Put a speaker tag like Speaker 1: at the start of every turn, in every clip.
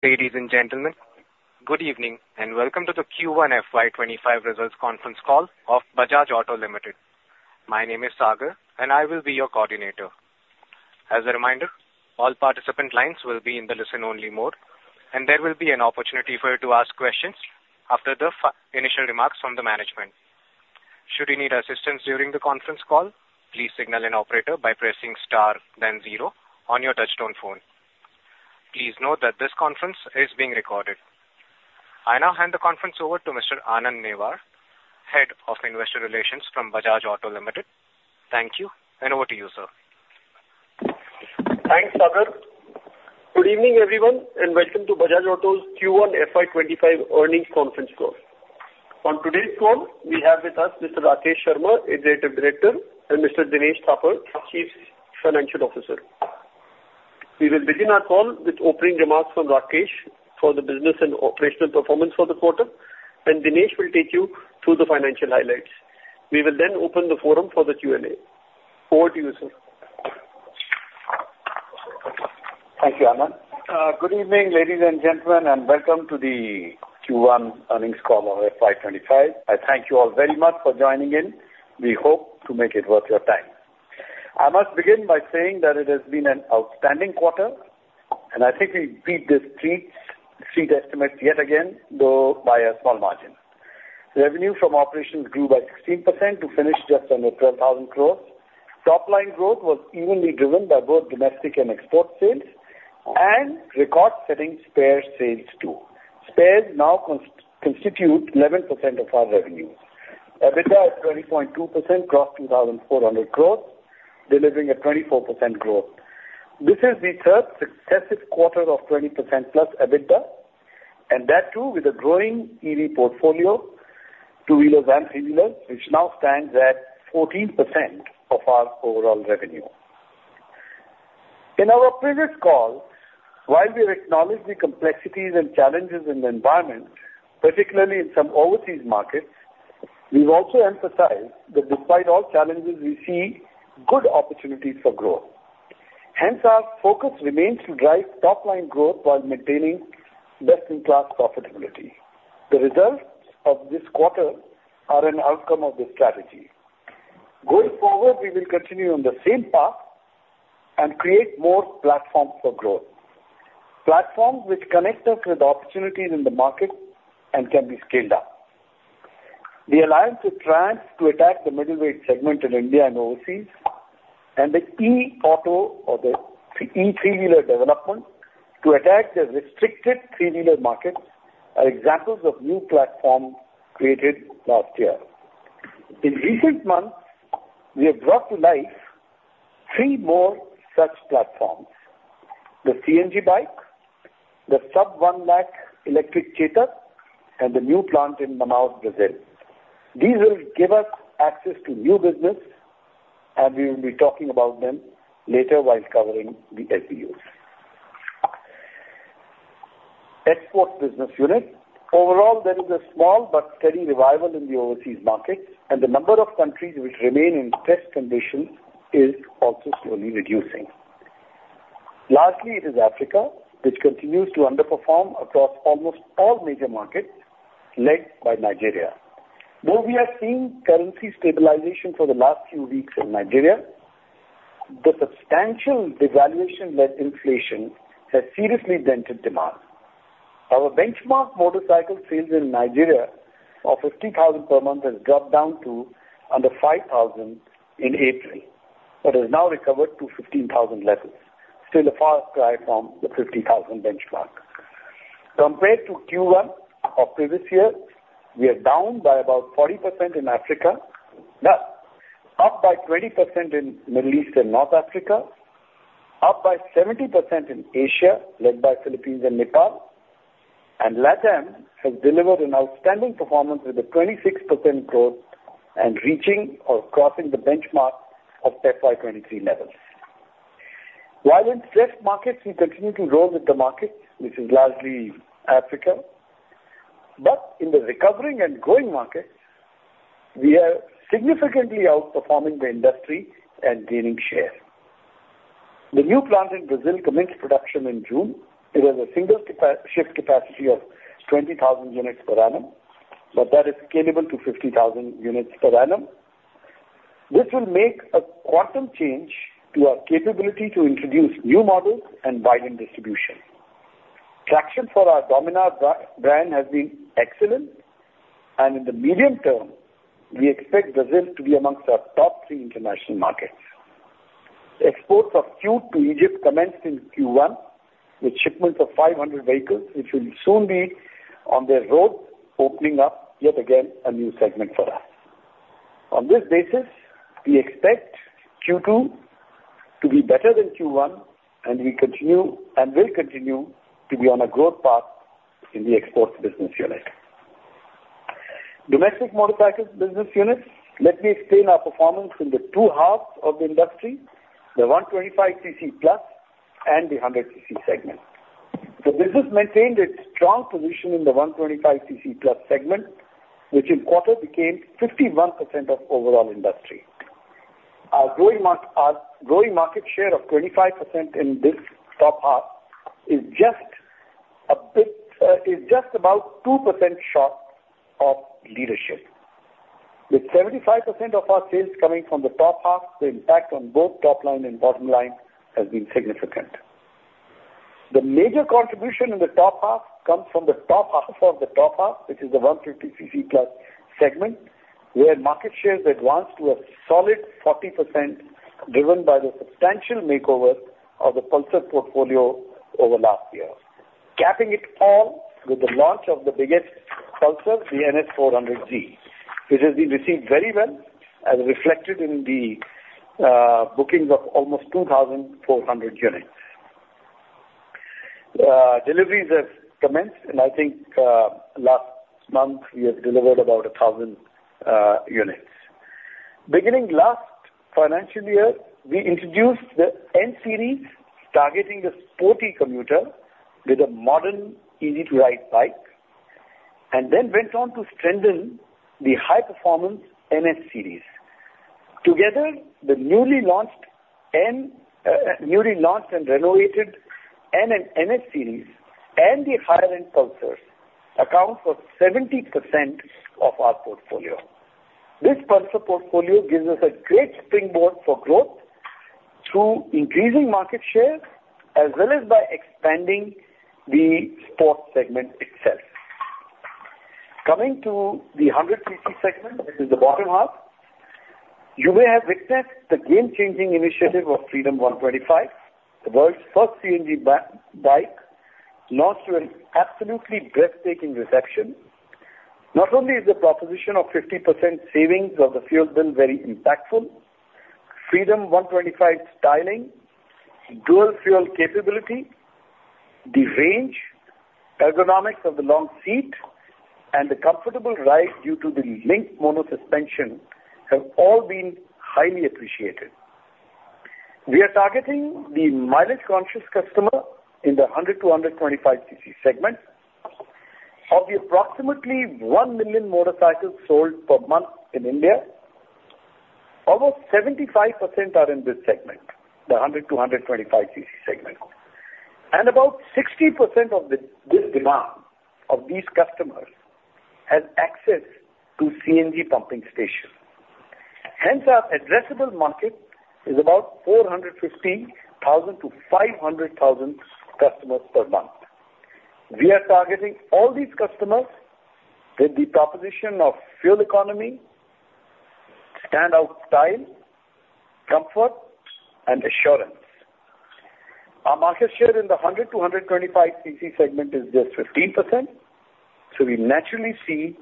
Speaker 1: Ladies and gentlemen, good evening, and welcome to the Q1 FY25 results conference call of Bajaj Auto Limited. My name is Sagar, and I will be your coordinator. As a reminder, all participant lines will be in the listen-only mode, and there will be an opportunity for you to ask questions after the initial remarks from the management. Should you need assistance during the conference call, please signal an operator by pressing star then zero on your touchtone phone. Please note that this conference is being recorded. I now hand the conference over to Mr. Anand Newar, Head of Investor Relations from Bajaj Auto Limited. Thank you, and over to you, sir.
Speaker 2: Thanks, Sagar. Good evening, everyone, and welcome to Bajaj Auto's Q1 FY25 earnings conference call. On today's call, we have with us Mr. Rakesh Sharma, Executive Director, and Mr. Dinesh Thapar, Chief Financial Officer. We will begin our call with opening remarks from Rakesh for the business and operational performance for the quarter, and Dinesh will take you through the financial highlights. We will then open the forum for the Q&A. Over to you, sir.
Speaker 3: Thank you, Anand. Good evening, ladies and gentlemen, and welcome to the Q1 earnings call of FY 2025. I thank you all very much for joining in. We hope to make it worth your time. I must begin by saying that it has been an outstanding quarter, and I think we beat the street estimates yet again, though by a small margin. Revenue from operations grew by 16% to finish just under 12,000 crore. Top line growth was evenly driven by both domestic and export sales and record-setting spare sales, too. Spares now constitute 11% of our revenue. EBITDA at 20.2% crossed 2,400 crore, delivering a 24% growth. This is the third successive quarter of 20%+ EBITDA, and that, too, with a growing EV portfolio, two-wheelers and three-wheelers, which now stands at 14% of our overall revenue. In our previous call, while we acknowledged the complexities and challenges in the environment, particularly in some overseas markets, we've also emphasized that despite all challenges, we see good opportunities for growth. Hence, our focus remains to drive top-line growth while maintaining best-in-class profitability. The results of this quarter are an outcome of this strategy. Going forward, we will continue on the same path and create more platforms for growth. Platforms which connect us with opportunities in the market and can be scaled up. The alliance with Triumph to attack the middleweight segment in India and overseas, and the e-auto or the e-three-wheeler development to attack the restricted three-wheeler markets are examples of new platforms created last year. In recent months, we have brought to life 3 more such platforms: the CNG bike, the sub-INR 1 lakh electric Chetak, and the new plant in Manaus, Brazil. These will give us access to new business, and we will be talking about them later while covering the SBUs. Export business unit. Overall, there is a small but steady revival in the overseas market, and the number of countries which remain in stressed conditions is also slowly reducing. Lastly, it is Africa, which continues to underperform across almost all major markets, led by Nigeria. Though we have seen currency stabilization for the last few weeks in Nigeria, the substantial devaluation-led inflation has seriously dented demand. Our benchmark motorcycle sales in Nigeria of 50,000 per month has dropped down to under 5,000 in April, but has now recovered to 15,000 levels, still a far cry from the 50,000 benchmark. Compared to Q1 of previous year, we are down by about 40% in Africa, but up by 20% in Middle East and North Africa, up by 70% in Asia, led by Philippines and Nepal, and LATAM has delivered an outstanding performance with a 26% growth and reaching or crossing the benchmark of FY 2023 levels. While in stressed markets, we continue to grow with the market, which is largely Africa, but in the recovering and growing markets, we are significantly outperforming the industry and gaining share. The new plant in Brazil commenced production in June. It has a single-shift capacity of 20,000 units per annum, but that is scalable to 50,000 units per annum. This will make a quantum change to our capability to introduce new models and widen distribution. Traction for our Dominar brand has been excellent, and in the medium term, we expect Brazil to be amongst our top three international markets. Exports of Qute to Egypt commenced in Q1 with shipments of 500 vehicles, which will soon be on the road, opening up, yet again, a new segment for us. On this basis, we expect Q2 to be better than Q1, and we continue, and will continue, to be on a growth path in the exports business unit. Domestic motorcycles business units. Let me explain our performance in the two halves of the industry, the 125 cc plus and the 100 cc segment. The business maintained its strong position in the 125 cc plus segment, which in quarter became 51% of overall industry. Our growing market, our growing market share of 25% in this top half is just a bit, is just about 2% short of leadership. With 75% of our sales coming from the top half, the impact on both top line and bottom line has been significant. The major contribution in the top half comes from the top half of the top half, which is the 150 cc plus segment, where market shares advanced to a solid 40%, driven by the substantial makeover of the Pulsar portfolio over last year. Capping it all with the launch of the biggest Pulsar, the NS400Z, it has been received very well and reflected in the bookings of almost 2,400 units. Deliveries have commenced, and I think, last month we have delivered about 1,000 units. Beginning last financial year, we introduced the N series, targeting the sporty commuter with a modern, easy-to-ride bike, and then went on to strengthen the high performance NS series. Together, the newly launched N, newly launched and renovated N and NS series and the higher end Pulsars account for 70% of our portfolio. This Pulsar portfolio gives us a great springboard for growth through increasing market share, as well as by expanding the sports segment itself. Coming to the 100 cc segment, which is the bottom half, you may have witnessed the game-changing initiative of Freedom 125, the world's first CNG bike, launched with an absolutely breathtaking reception. Not only is the proposition of 50% savings of the fuel bill very impactful, Freedom 125 styling, dual fuel capability, the range, ergonomics of the long seat, and the comfortable ride due to the linked mono suspension have all been highly appreciated. We are targeting the mileage-conscious customer in the 100 to 125 cc segment. Of the approximately 1 million motorcycles sold per month in India, almost 75% are in this segment, the 100 to 125 cc segment. About 60% of this demand of these customers has access to CNG pumping station. Hence, our addressable market is about 415,000 to 500,000 customers per month. We are targeting all these customers with the proposition of fuel economy, standout style, comfort, and assurance. Our market share in the 100 to 125 cc segment is just 15%, so we naturally see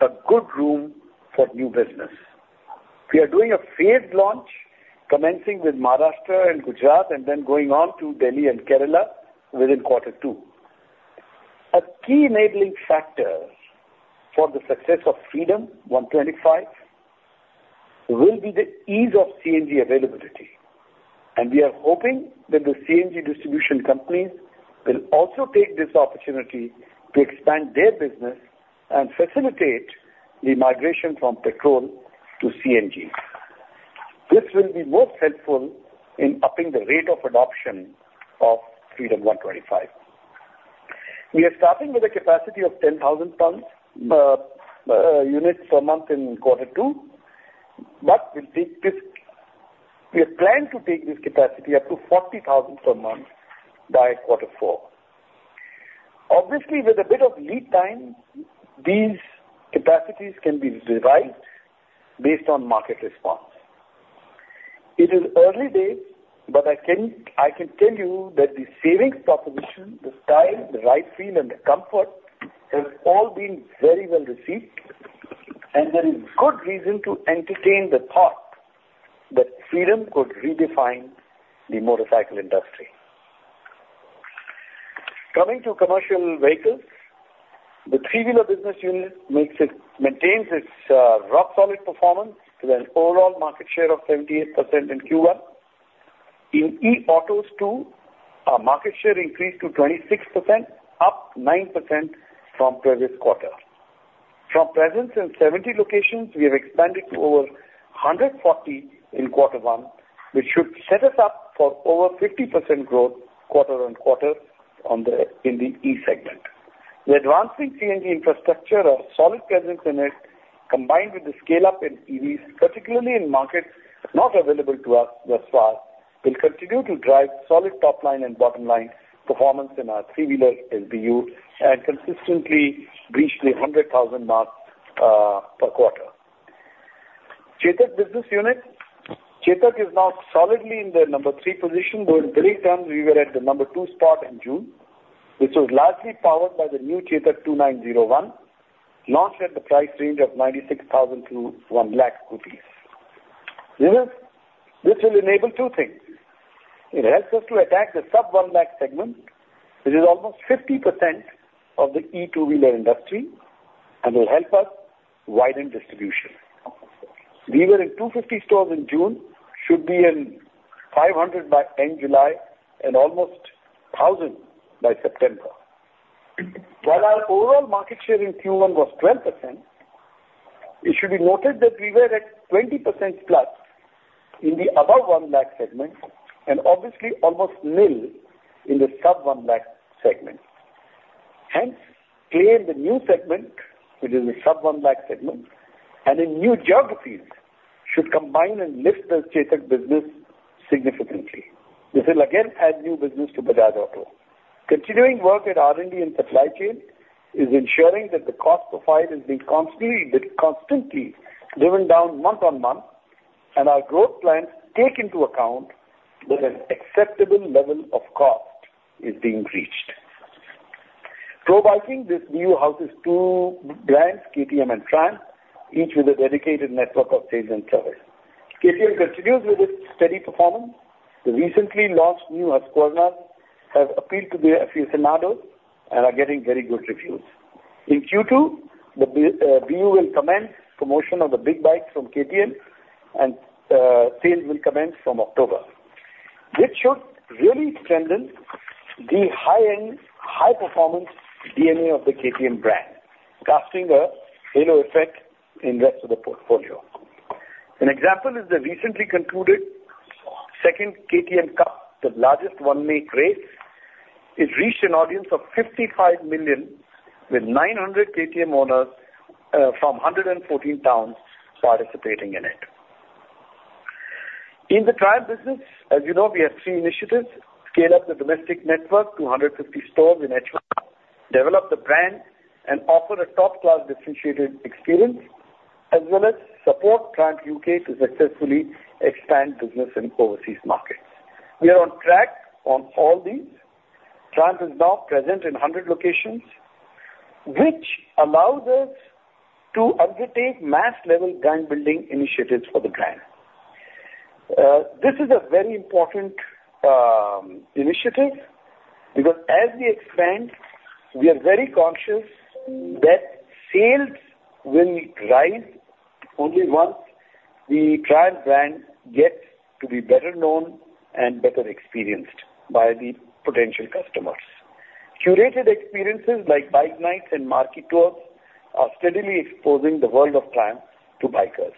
Speaker 3: a good room for new business. We are doing a phased launch, commencing with Maharashtra and Gujarat and then going on to Delhi and Kerala within quarter two. A key enabling factor for the success of Freedom 125 will be the ease of CNG availability, and we are hoping that the CNG distribution companies will also take this opportunity to expand their business and facilitate the migration from petrol to CNG. This will be most helpful in upping the rate of adoption of Freedom 125. We are starting with a capacity of 10,000 units per month in quarter two, but we'll take this. We have planned to take this capacity up to 40,000 per month by quarter four. Obviously, with a bit of lead time, these capacities can be revised based on market response. It is early days, but I can tell you that the savings proposition, the style, the ride feel, and the comfort have all been very well received, and there is good reason to entertain the thought that Freedom could redefine the motorcycle industry. Coming to commercial vehicles, the three-wheeler business unit maintains its rock solid performance with an overall market share of 78% in Q1. In e-autos, too, our market share increased to 26%, up 9% from previous quarter. From presence in 70 locations, we have expanded to over 140 in quarter one, which should set us up for over 50% growth, quarter on quarter in the E segment. The advancing CNG infrastructure, our solid presence in it, combined with the scale-up in EVs, particularly in markets not available to us thus far, will continue to drive solid top line and bottom line performance in our three-wheeler LBU and consistently breach the 100,000 mark per quarter. Chetak business unit. Chetak is now solidly in the number 3 position, wherein 3 terms we were at the number 2 spot in June, which was largely powered by the new Chetak 2901, launched at the price range of 96,000 to 100,000. This is, this will enable two things: It helps us to attack the sub-INR 100,000 segment, which is almost 50% of the e-2-wheeler industry and will help us widen distribution. We were in 250 stores in June, should be in 500 by end July and almost 1,000 by September... While our overall market share in Q1 was 12%, it should be noted that we were at 20%+ in the above 1 lakh segment and obviously almost nil in the sub 1 lakh segment. Hence, clear the new segment, which is the sub 1 lakh segment, and in new geographies should combine and lift the Chetak business significantly. This will again add new business to Bajaj Auto. Continuing work at R&D and supply chain is ensuring that the cost profile is being constantly, constantly driven down month-on-month, and our growth plans take into account that an acceptable level of cost is being reached. Pro biking, this BU houses two brands, KTM and Triumph, each with a dedicated network of sales and service. KTM continues with its steady performance. The recently launched new Husqvarna has appealed to the aficionados and are getting very good reviews. In Q2, the BU will commence promotion of the big bikes from KTM and, sales will commence from October, which should really strengthen the high-end, high performance DNA of the KTM brand, casting a halo effect in rest of the portfolio. An example is the recently concluded second KTM Cup, the largest one-make race. It reached an audience of 55 million, with 900 KTM owners, from 114 towns participating in it. In the Triumph business, as you know, we have three initiatives: scale up the domestic network to 150 stores in H1, develop the brand and offer a top-class differentiated experience, as well as support Triumph UK to successfully expand business in overseas markets. We are on track on all these. Triumph is now present in 100 locations, which allows us to undertake mass level brand building initiatives for the brand. This is a very important initiative, because as we expand, we are very conscious that sales will rise only once the Triumph brand gets to be better known and better experienced by the potential customers. Curated experiences like bike nights and market tours are steadily exposing the world of Triumph to bikers.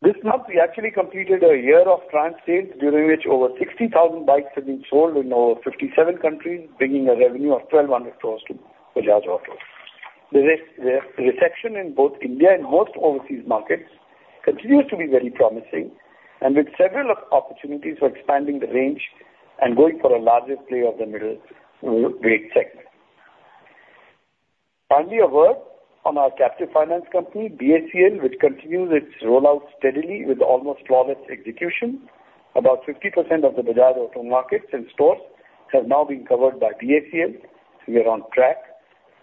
Speaker 3: This month, we actually completed a year of Triumph sales, during which over 60,000 bikes have been sold in over 57 countries, bringing a revenue of 1,200 crores to Bajaj Auto. The reception in both India and most overseas markets continues to be very promising and with several opportunities for expanding the range and going for a larger play of the middle weight segment. Finally, a word on our captive finance company, BACL, which continues its rollout steadily with almost flawless execution. About 50% of the Bajaj Auto markets and stores have now been covered by BACL. We are on track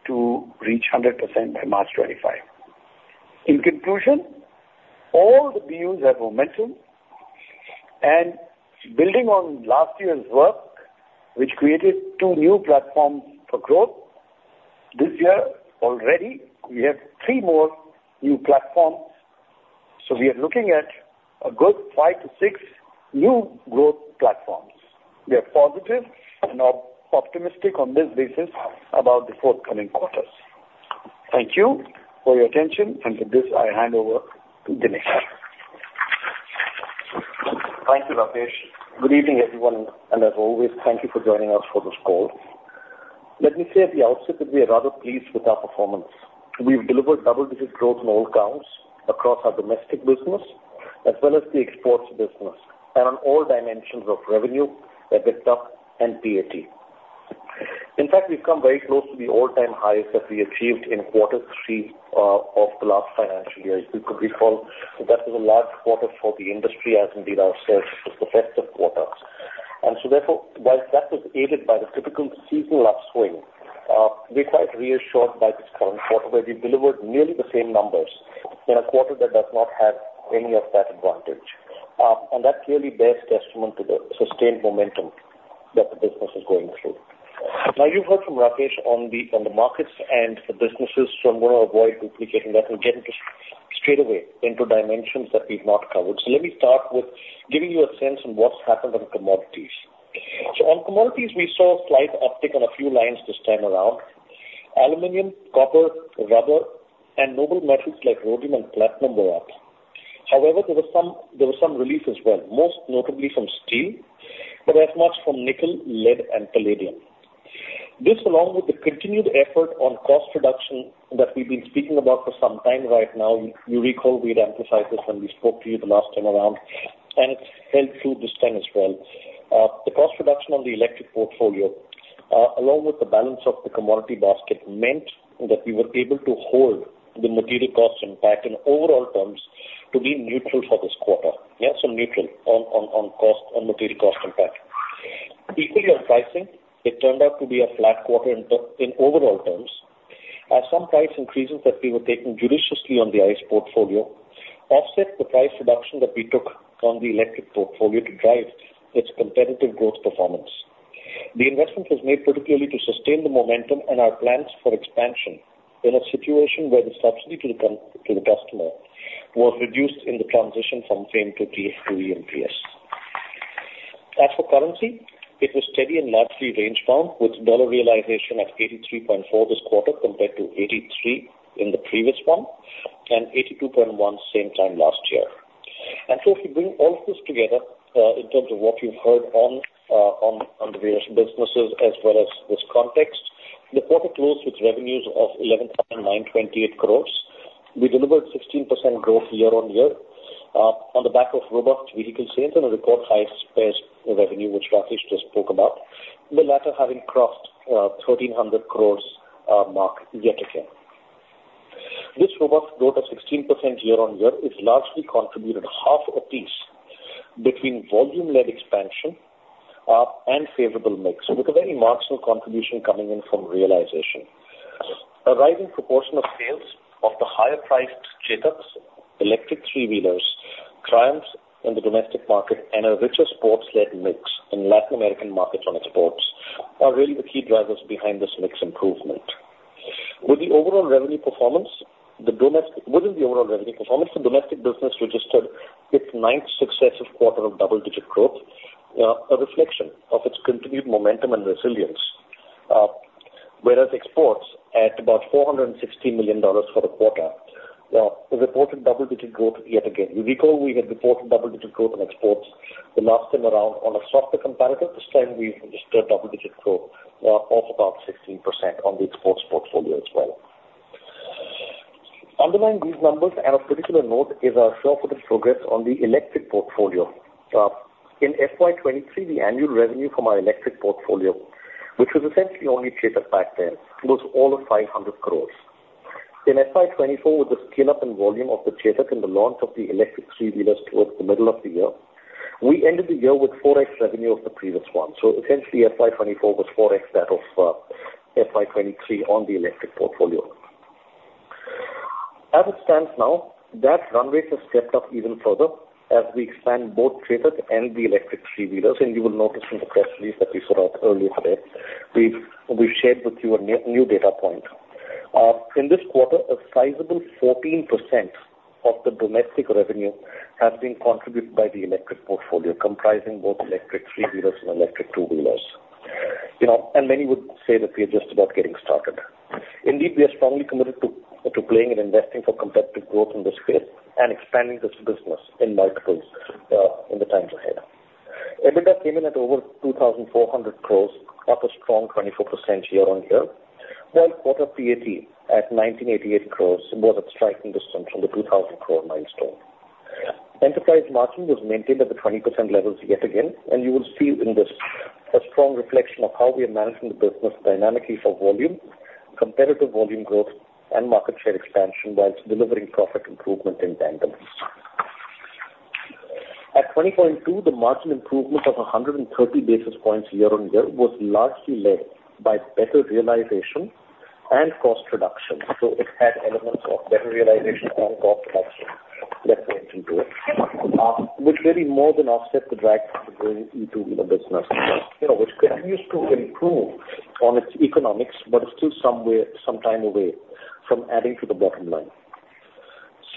Speaker 3: to reach 100% by March 2025. In conclusion, all the BUs have momentum and building on last year's work, which created 2 new platforms for growth. This year already we have 3 more new platforms, so we are looking at a good 5 to 6 new growth platforms. We are positive and optimistic on this basis about the forthcoming quarters. Thank you for your attention, and with this, I hand over to Dinesh.
Speaker 4: Thank you, Rakesh. Good evening, everyone, and as always, thank you for joining us for this call. Let me say at the outset that we are rather pleased with our performance. We've delivered double-digit growth in all counts across our domestic business as well as the exports business and on all dimensions of revenue, EBITDA and PAT. In fact, we've come very close to the all-time highs that we achieved in quarter three of the last financial year. As you could recall, that was a large quarter for the industry as indeed ourselves. It was the festive quarter. And so therefore, while that was aided by the typical seasonal upswing, we're quite reassured by this current quarter, where we delivered nearly the same numbers in a quarter that does not have any of that advantage. And that clearly bears testament to the sustained momentum that the business is going through. Now, you've heard from Rakesh on the markets and the businesses, so I'm going to avoid duplicating that and get into straight away into dimensions that we've not covered. So let me start with giving you a sense on what's happened on commodities. So on commodities, we saw a slight uptick on a few lines this time around. Aluminum, copper, rubber and noble metals like rhodium and platinum were up. However, there were some relief as well, most notably from steel, but as much from nickel, lead and palladium. This, along with the continued effort on cost reduction that we've been speaking about for some time right now, you recall we had emphasized this when we spoke to you the last time around, and it's held through this time as well. The cost reduction on the electric portfolio, along with the balance of the commodity basket, meant that we were able to hold the material cost impact in overall terms to be neutral for this quarter. Yeah, so neutral on cost, on material cost impact. Equity and pricing, it turned out to be a flat quarter in overall terms as some price increases that we were taking judiciously on the ICE portfolio, offset the price reduction that we took on the electric portfolio to drive its competitive growth performance. The investment was made particularly to sustain the momentum and our plans for expansion in a situation where the subsidy to the customer was reduced in the transition from FAME 2 to EMPS. As for currency, it was steady and largely range-bound, with dollar realization at 83.4 this quarter, compared to 83 in the previous one, and 82.1 same time last year. So if you bring all of this together, in terms of what you've heard on the various businesses as well as this context, the quarter closed with revenues of 11,928 crores. We delivered 16% growth year-on-year, on the back of robust vehicle sales and a record high spares revenue, which Rakesh just spoke about, the latter having crossed 1,300 crores mark yet again. This robust growth of 16% year-on-year is largely contributed half apiece between volume-led expansion and favorable mix, with a very marginal contribution coming in from realization. A rising proportion of sales of the higher priced Chetaks electric three-wheelers, Triumphs in the domestic market, and a richer sports-led mix in Latin American markets on exports, are really the key drivers behind this mix improvement. With the overall revenue performance, within the overall revenue performance, the domestic business registered its ninth successive quarter of double-digit growth, a reflection of its continued momentum and resilience. Whereas exports at about $460 million for the quarter reported double-digit growth yet again. You recall we had reported double-digit growth in exports the last time around on a softer comparative. This time we've registered double-digit growth of about 16% on the exports portfolio as well. Underlying these numbers and of particular note is our steadfast progress on the electric portfolio. In FY 2023, the annual revenue from our electric portfolio, which was essentially only Chetak back then, was 500 crore. In FY 2024, with the scale up and volume of the Chetak and the launch of the electric three-wheelers towards the middle of the year, we ended the year with 4x revenue of the previous one. So essentially, FY 2024 was 4x that of FY 2023 on the electric portfolio. As it stands now, that runway has stepped up even further as we expand both Chetak and the electric three-wheelers. You will notice in the press release that we put out earlier today, we've shared with you a new data point. In this quarter, a sizable 14% of the domestic revenue has been contributed by the electric portfolio, comprising both electric three-wheelers and electric two-wheelers. You know, and many would say that we are just about getting started. Indeed, we are strongly committed to playing and investing for competitive growth in this space and expanding this business in multiples in the times ahead. EBITDA came in at over 2,400 crore, up a strong 24% year-on-year, while quarter PAT at 1,988 crore was a striking distance from the 2,000 crore milestone. Enterprise margin was maintained at the 20% levels yet again, and you will see in this a strong reflection of how we are managing the business dynamically for volume, competitive volume growth, and market share expansion, while delivering profit improvement in tandem. At 20.2, the margin improvement of 130 basis points year-on-year was largely led by better realization and cost reduction. So it had elements of better realization and cost reduction that went into it. Which really more than offset the drag from the growing e-two-wheeler business, you know, which continues to improve on its economics, but is still some way, some time away from adding to the bottom line.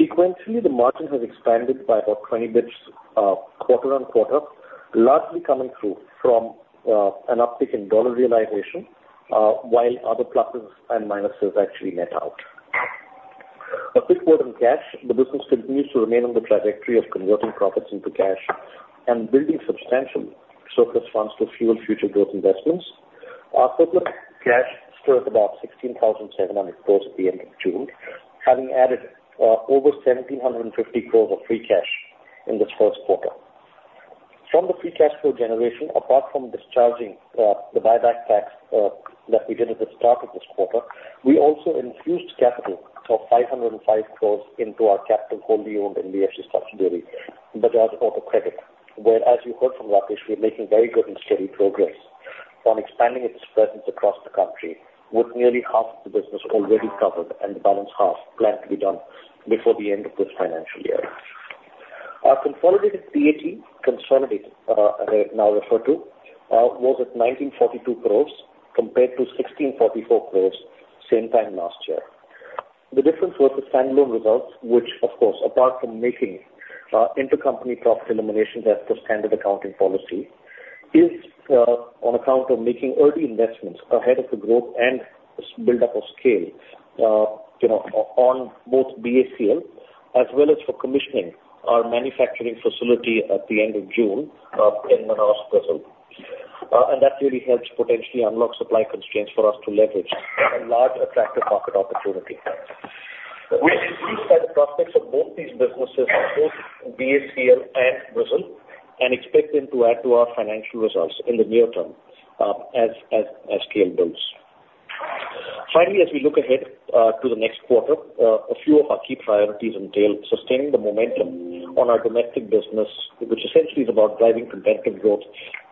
Speaker 4: Sequentially, the margin has expanded by about 20 basis points quarter on quarter, largely coming through from an uptick in dollar realization, while other pluses and minuses actually net out. A quick word on cash. The business continues to remain on the trajectory of converting profits into cash and building substantial surplus funds to fuel future growth investments. Our surplus cash stood at about 16,700 crore at the end of June, having added over 1,750 crore of free cash in this first quarter. From the free cash flow generation, apart from discharging, the buyback tax, that we did at the start of this quarter, we also infused capital of 505 crore into our captive wholly owned NBFC subsidiary, Bajaj Auto Credit, where, as you heard from Rakesh, we're making very good and steady progress on expanding its presence across the country, with nearly half of the business already covered and the balance half planned to be done before the end of this financial year. Our consolidated PAT, consolidated, I now refer to, was at 1,942 crore compared to 1,644 crore same time last year. The difference was the standalone results, which of course, apart from making, intercompany profit eliminations as per standard accounting policy, is, on account of making early investments ahead of the growth and buildup of scale, you know, on both BACL as well as for commissioning our manufacturing facility at the end of June, in Manaus, Brazil. That really helps potentially unlock supply constraints for us to leverage a large attractive market opportunity. We are pleased by the prospects of both these businesses, both BACL and Brazil, and expect them to add to our financial results in the near term, as scale builds. Finally, as we look ahead, to the next quarter, a few of our key priorities entail sustaining the momentum on our domestic business, which essentially is about driving competitive growth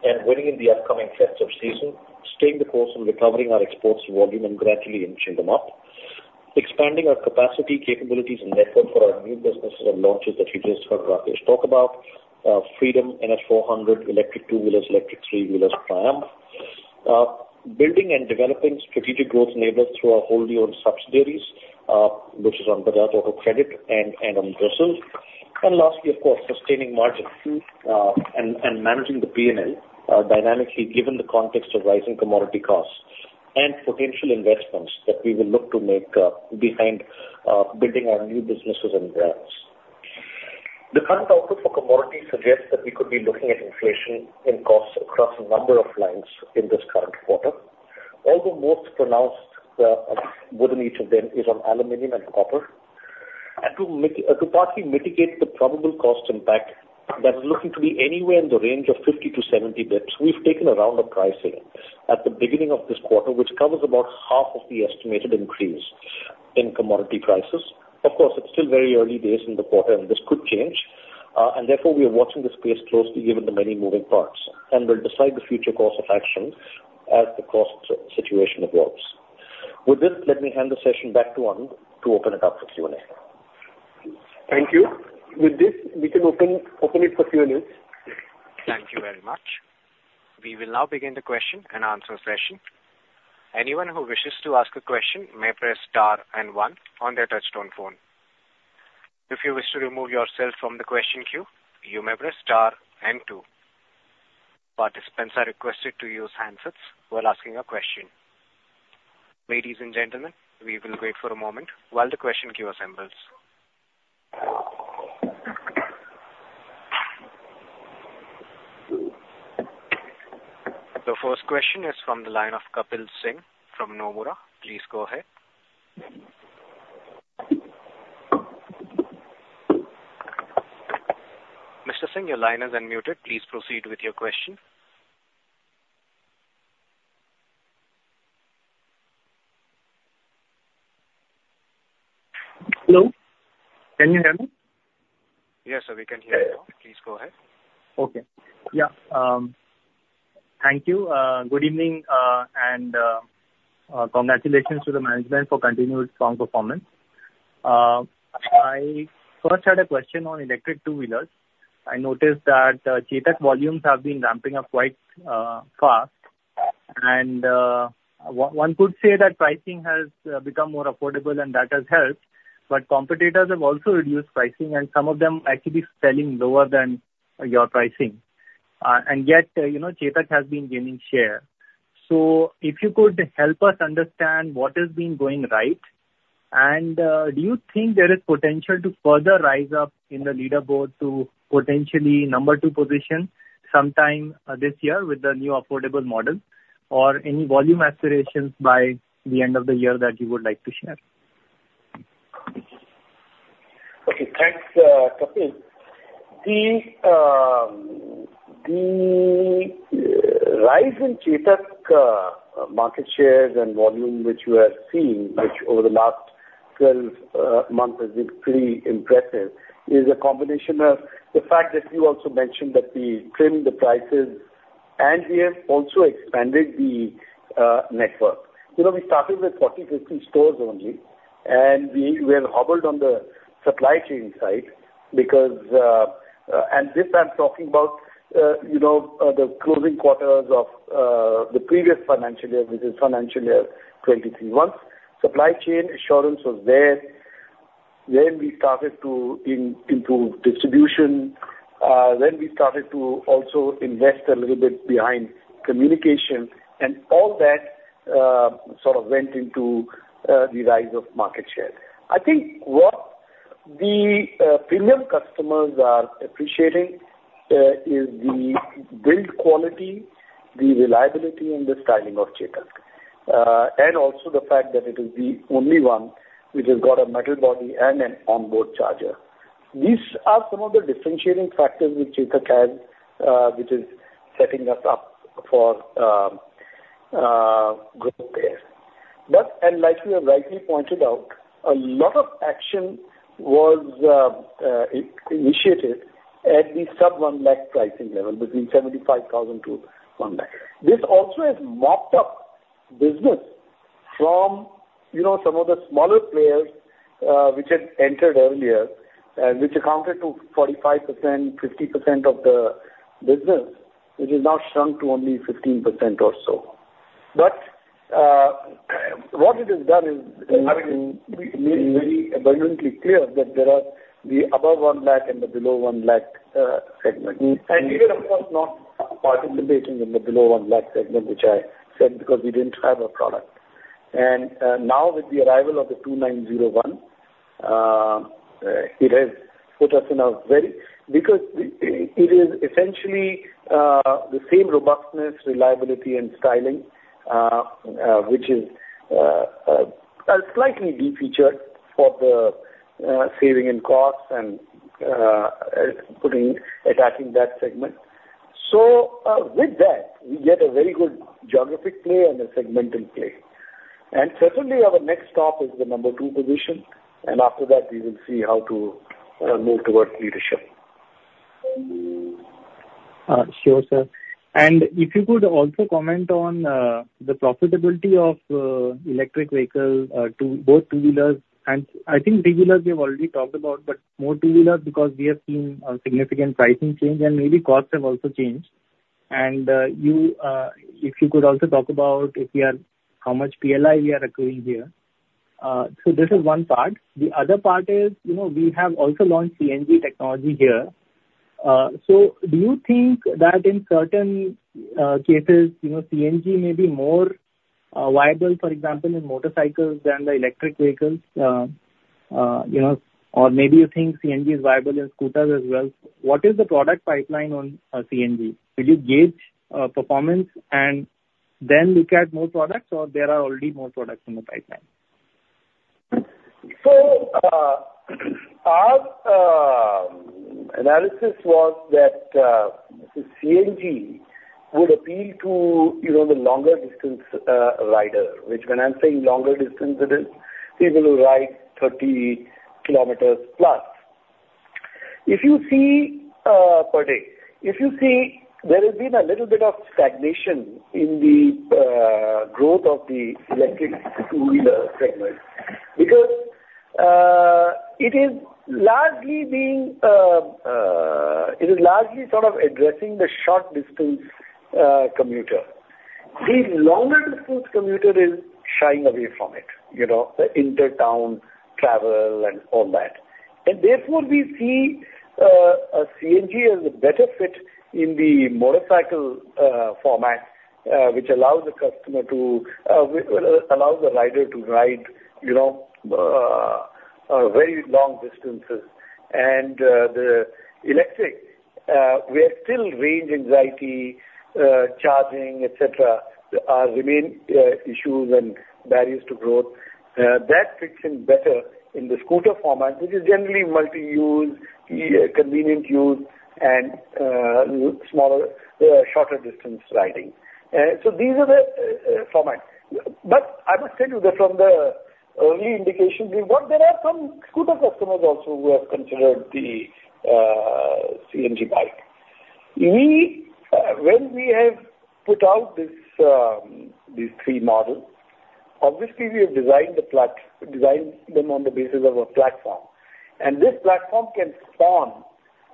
Speaker 4: and winning in the upcoming festive season, staying the course and recovering our exports volume and gradually inching them up. Expanding our capacity, capabilities and network for our new businesses and launches that you just heard Rakesh talk about, Freedom, NS400, electric two-wheelers, electric three-wheelers, Triumph. Building and developing strategic growth enablers through our wholly owned subsidiaries.... which is on Bajaj Auto Credit and on Brazil. And lastly, of course, sustaining margins and managing the P&L dynamically, given the context of rising commodity costs and potential investments that we will look to make behind building our new businesses and brands. The current outlook for commodities suggests that we could be looking at inflation in costs across a number of lines in this current quarter. Although most pronounced within each of them is on aluminum and copper. And to partly mitigate the probable cost impact that is looking to be anywhere in the range of 50 to 70 basis points, we've taken a round of pricing at the beginning of this quarter, which covers about half of the estimated increase in commodity prices. Of course, it's still very early days in the quarter, and this could change. And therefore, we are watching the space closely given the many moving parts, and we'll decide the future course of action as the cost situation evolves. With this, let me hand the session back to Anand to open it up for Q&A.
Speaker 2: Thank you. With this, we can open it for Q&A.
Speaker 1: Thank you very much. We will now begin the question and answer session. Anyone who wishes to ask a question may press star and one on their touchtone phone. If you wish to remove yourself from the question queue, you may press star and two. Participants are requested to use handsets while asking a question. Ladies and gentlemen, we will wait for a moment while the question queue assembles. The first question is from the line of Kapil Singh from Nomura. Please go ahead. Mr. Singh, your line is unmuted. Please proceed with your question.
Speaker 5: Hello, can you hear me?
Speaker 1: Yes, sir, we can hear you now. Please go ahead.
Speaker 5: Okay. Yeah, thank you. Good evening, and congratulations to the management for continued strong performance. I first had a question on electric two-wheelers. I noticed that Chetak volumes have been ramping up quite fast. And one could say that pricing has become more affordable and that has helped, but competitors have also reduced pricing, and some of them are actually selling lower than your pricing. And yet, you know, Chetak has been gaining share. So if you could help us understand what has been going right, and do you think there is potential to further rise up in the leaderboard to potentially number two position sometime this year with the new affordable model, or any volume aspirations by the end of the year that you would like to share?
Speaker 3: Okay. Thanks, Kapil. The rise in Chetak market shares and volume, which you have seen, which over the last 12 months has been pretty impressive, is a combination of the fact that you also mentioned that we trimmed the prices and we have also expanded the network. You know, we started with 40 to 50 stores only, and we were hobbled on the supply chain side because... and this I'm talking about, you know, the closing quarters of the previous financial year, which is financial year 2023 months. Supply chain assurance was there. Then we started to improve distribution, then we started to also invest a little bit behind communication, and all that sort of went into the rise of market share. I think what the premium customers are appreciating is the build quality, the reliability, and the styling of Chetak, and also the fact that it is the only one which has got a metal body and an onboard charger. These are some of the differentiating factors which Chetak has, which is setting us up for growth there. But as like you have rightly pointed out, a lot of action was initiated at the sub 1 lakh pricing level, between 75,000 to 1 lakh. This also has mopped up business from, you know, some of the smaller players, which had entered earlier and which accounted to 45%, 50% of the business, which has now shrunk to only 15% or so. But what it has done is made very abundantly clear that there are the above 1 lakh and the below 1 lakh segment. We were, of course, not participating in the below 1 lakh segment, which I said because we didn't have a product. Now with the arrival of the 2901, it has put us in a very because it is essentially the same robustness, reliability, and styling which is slightly defeatured for the saving in costs and putting attacking that segment. So with that, we get a very good geographic play and a segmental play. Certainly, our next stop is the number two position, and after that, we will see how to move towards leadership.
Speaker 5: Sure, sir. And if you could also comment on the profitability of electric vehicles to both two-wheelers, and I think three-wheelers we have already talked about, but more two-wheelers because we have seen a significant pricing change and maybe costs have also changed. And you if you could also talk about if you are, how much PLI we are accruing here. So this is one part. The other part is, you know, we have also launched CNG technology here. So do you think that in certain cases, you know, CNG may be more viable, for example, in motorcycles than the electric vehicles? You know, or maybe you think CNG is viable in scooters as well. What is the product pipeline on CNG? Did you gauge performance and then look at more products, or there are already more products in the pipeline?
Speaker 3: So, our analysis was that the CNG would appeal to, you know, the longer distance rider. Which when I'm saying longer distance, it is people who ride 30 kilometers plus. If you see, per day. If you see, there has been a little bit of stagnation in the growth of the electric two-wheeler segment, because it is largely being it is largely sort of addressing the short distance commuter. The longer distance commuter is shying away from it, you know, the intertown travel and all that. And therefore, we see CNG as a better fit in the motorcycle format, which allows the customer to allows the rider to ride, you know, very long distances. The electric, where still range anxiety, charging, et cetera, remain issues and barriers to growth. That fits in better in the scooter format, which is generally multi-use, convenient use, and smaller, shorter distance riding. So these are the formats. But I must tell you that from the early indications we've got, there are some scooter customers also who have considered the CNG bike. We, when we have put out this, these three models, obviously we have designed the plat- designed them on the basis of a platform. This platform can spawn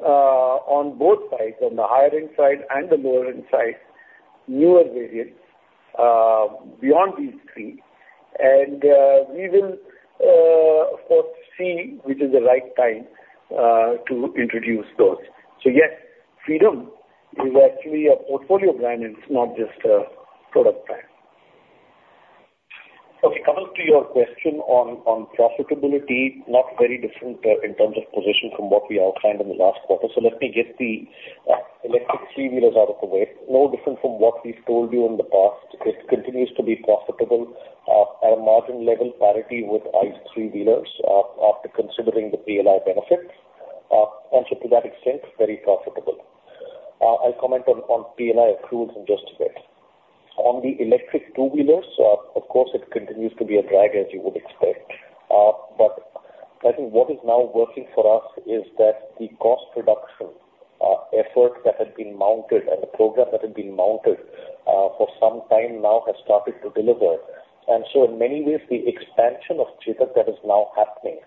Speaker 3: on both sides, on the higher end side and the lower end side, newer variants beyond these three. We will, of course, see which is the right time to introduce those. Yes, Freedom is actually a portfolio brand, and it's not just a product brand.
Speaker 4: Okay, coming to your question on profitability, not very different in terms of position from what we outlined in the last quarter. So let me get the electric three-wheelers out of the way. No different from what we've told you in the past. It continues to be profitable at a margin level parity with ICE three-wheelers after considering the PLI benefits. And so to that extent, very profitable. I'll comment on PLI accruals in just a bit. On the electric two-wheelers, of course, it continues to be a drag, as you would expect. But I think what is now working for us is that the cost reduction effort that had been mounted and the program that had been mounted for some time now has started to deliver. In many ways the expansion of Chetak that is now happening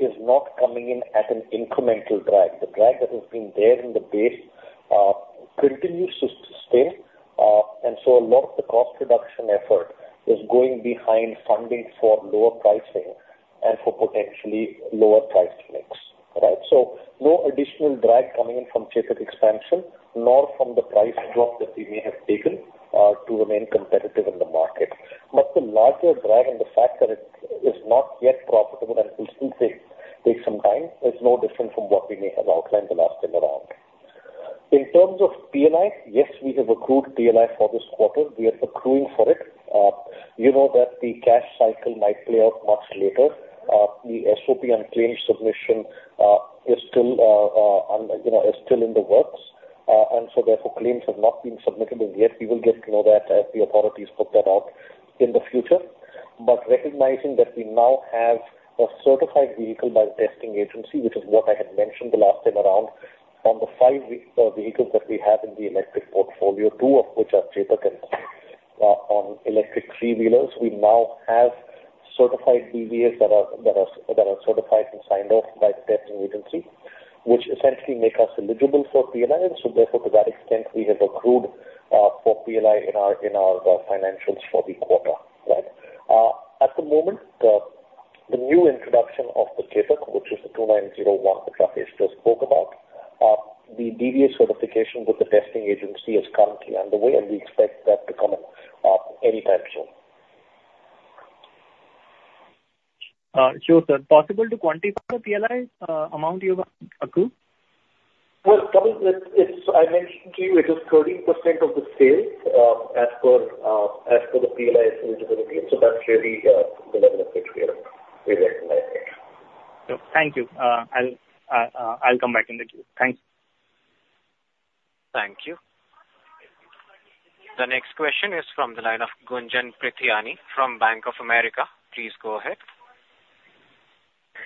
Speaker 4: is not coming in at an incremental drag. The drag that has been there in the base continues to stay, and so a lot of the cost reduction effort is going behind funding for lower pricing and for potentially lower priced links. All right? No additional drag coming in from Chetak expansion, nor from the price drop that we may have taken to remain competitive in the market. The larger drag and the fact that it is not yet profitable and will still take some time is no different from what we may have outlined the last time around. In terms of PLI, yes, we have accrued PLI for this quarter. We are accruing for it. You know that the cash cycle might play out much later. The SOP and claims submission is still, you know, in the works. So therefore, claims have not been submitted as yet. We will get to know that as the authorities put that out in the future. But recognizing that we now have a certified vehicle by the testing agency, which is what I had mentioned the last time around, from the five vehicles that we have in the electric portfolio, two of which are Chetak and on electric three-wheelers, we now have certified DVAs that are certified and signed off by the testing agency, which essentially make us eligible for PLI. So therefore, to that extent, we have accrued for PLI in our financials for the quarter, right? At the moment, the new introduction of the Chetak, which is the 2901, that Rakesh just spoke about, the DVA certification with the testing agency is currently underway, and we expect that to come in anytime soon.
Speaker 5: Sure, sir. Possible to quantify the PLI amount you have accrued?
Speaker 4: Well, it's, I mentioned to you, it is 13% of the sales, as per the PLI eligibility. So that's really the level at which we are, we recognize it.
Speaker 5: Thank you. I'll come back in the queue. Thanks.
Speaker 1: Thank you. The next question is from the line of Gunjan Prithyani from Bank of America. Please go ahead.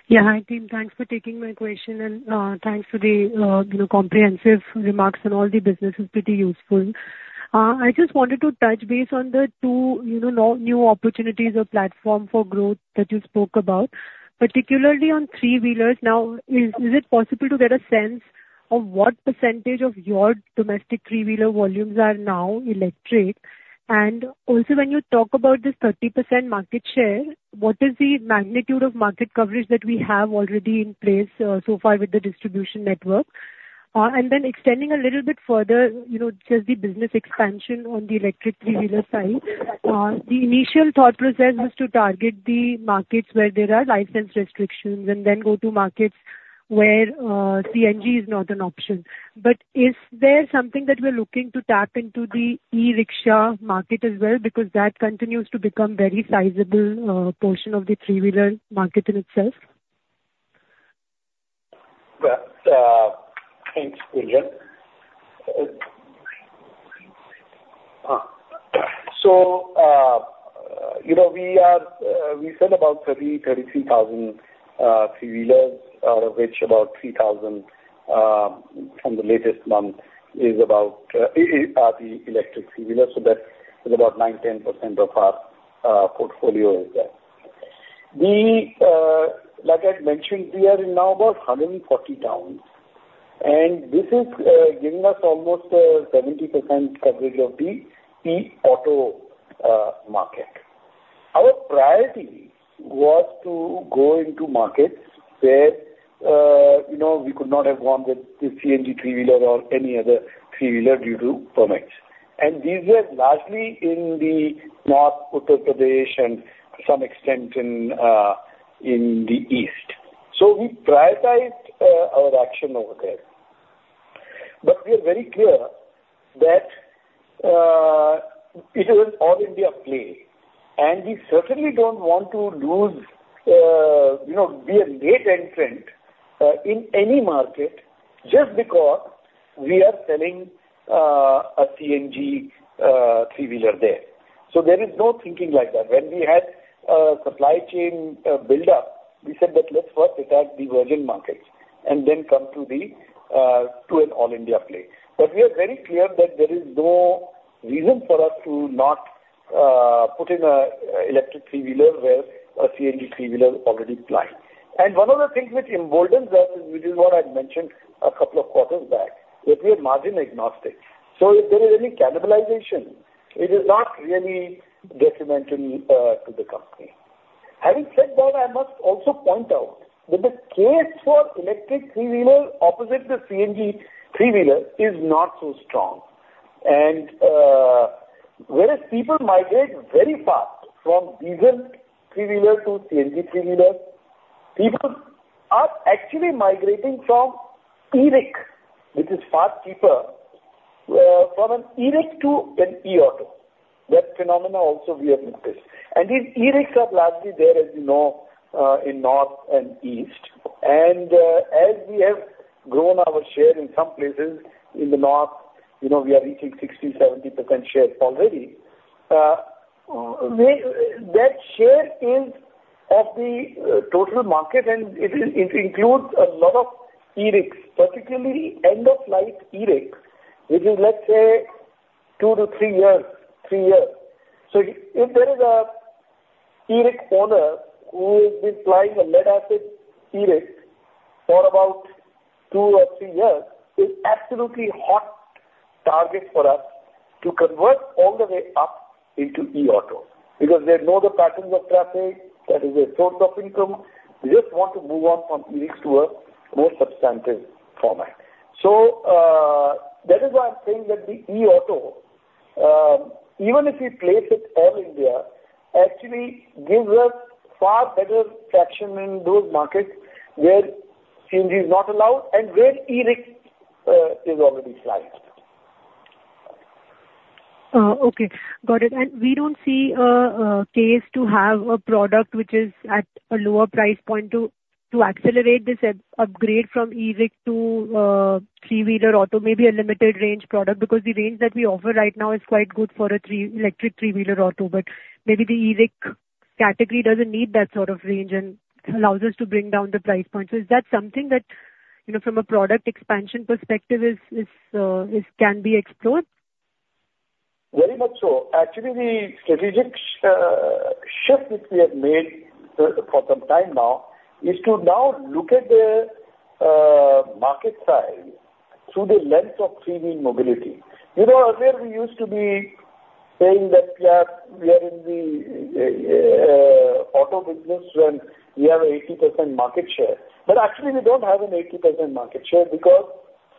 Speaker 6: Yeah. Hi, team. Thanks for taking my question, and thanks for the, you know, comprehensive remarks on all the business. It's pretty useful. I just wanted to touch base on the two, you know, new opportunities or platform for growth that you spoke about, particularly on three-wheelers. Now, is it possible to get a sense of what percentage of your domestic three-wheeler volumes are now electric? And also, when you talk about this 30% market share, what is the magnitude of market coverage that we have already in place, so far with the distribution network? And then extending a little bit further, you know, just the business expansion on the electric three-wheeler side. The initial thought process was to target the markets where there are license restrictions, and then go to markets where, CNG is not an option. Is there something that we're looking to tap into the e-rickshaw market as well? Because that continues to become very sizable portion of the three-wheeler market in itself.
Speaker 3: Well, thanks, Gunjan. So, you know, we are, we said about 33,000 three-wheelers, out of which about 3,000 from the latest month are the electric three-wheelers. So that is about 9 to 10% of our portfolio is there. We, like I mentioned, we are in now about 140 towns, and this is giving us almost 70% coverage of the e-auto market. Our priority was to go into markets where, you know, we could not have wanted the CNG three-wheeler or any other three-wheeler due to permits. And these were largely in the North, Uttar Pradesh, and some extent in the east. So we prioritized our action over there. But we are very clear that it is an all India play, and we certainly don't want to lose, you know, be a late entrant in any market just because we are selling a CNG three-wheeler there. So there is no thinking like that. When we had a supply chain build up, we said that let's first attack the virgin markets and then come to the to an all India play. But we are very clear that there is no reason for us to not put in a electric three-wheeler where a CNG three-wheeler is already plying. And one of the things which emboldens us, which is what I mentioned a couple of quarters back, that we are margin agnostic. So if there is any cannibalization, it is not really detriment to the to the company. Having said that, I must also point out that the case for electric three-wheeler opposite the CNG three-wheeler is not so strong. And, whereas people migrate very fast from diesel three-wheeler to CNG three-wheeler, people are actually migrating from e-rick, which is far cheaper, from an e-rick to an e-auto. That phenomena also we have noticed. And these e-ricks are largely there, as you know, in north and east. And, as we have grown our share in some places in the north, you know, we are reaching 60 to 70% shares already. That share is of the total market, and it is, it includes a lot of e-ricks, particularly end-of-life e-ricks, which is, let's say, 2 to 3 years, 3 years. So if there is a e-rick owner who has been plying a lead-acid e-rick for about two or three years, it's absolutely hot target for us to convert all the way up into e-auto, because they know the patterns of traffic. That is a source of income. We just want to move on from e-ricks to a more substantive format. So, that is why I'm saying that the e-auto, even if we place it all India, actually gives us far better traction in those markets where CNG is not allowed and where e-rick is already plying.
Speaker 6: Okay, got it. And we don't see a case to have a product which is at a lower price point to accelerate this upgrade from e-rick to three-wheeler auto, maybe a limited range product, because the range that we offer right now is quite good for an electric three-wheeler auto, but maybe the e-rick category doesn't need that sort of range and allows us to bring down the price point. So is that something that, you know, from a product expansion perspective, can be explored?
Speaker 3: Very much so. Actually, the strategic shift which we have made for some time now is to now look at the market side through the lens of three-wheel mobility. You know, earlier we used to be saying that, yeah, we are in the auto business, and we have 80% market share, but actually we don't have an 80% market share because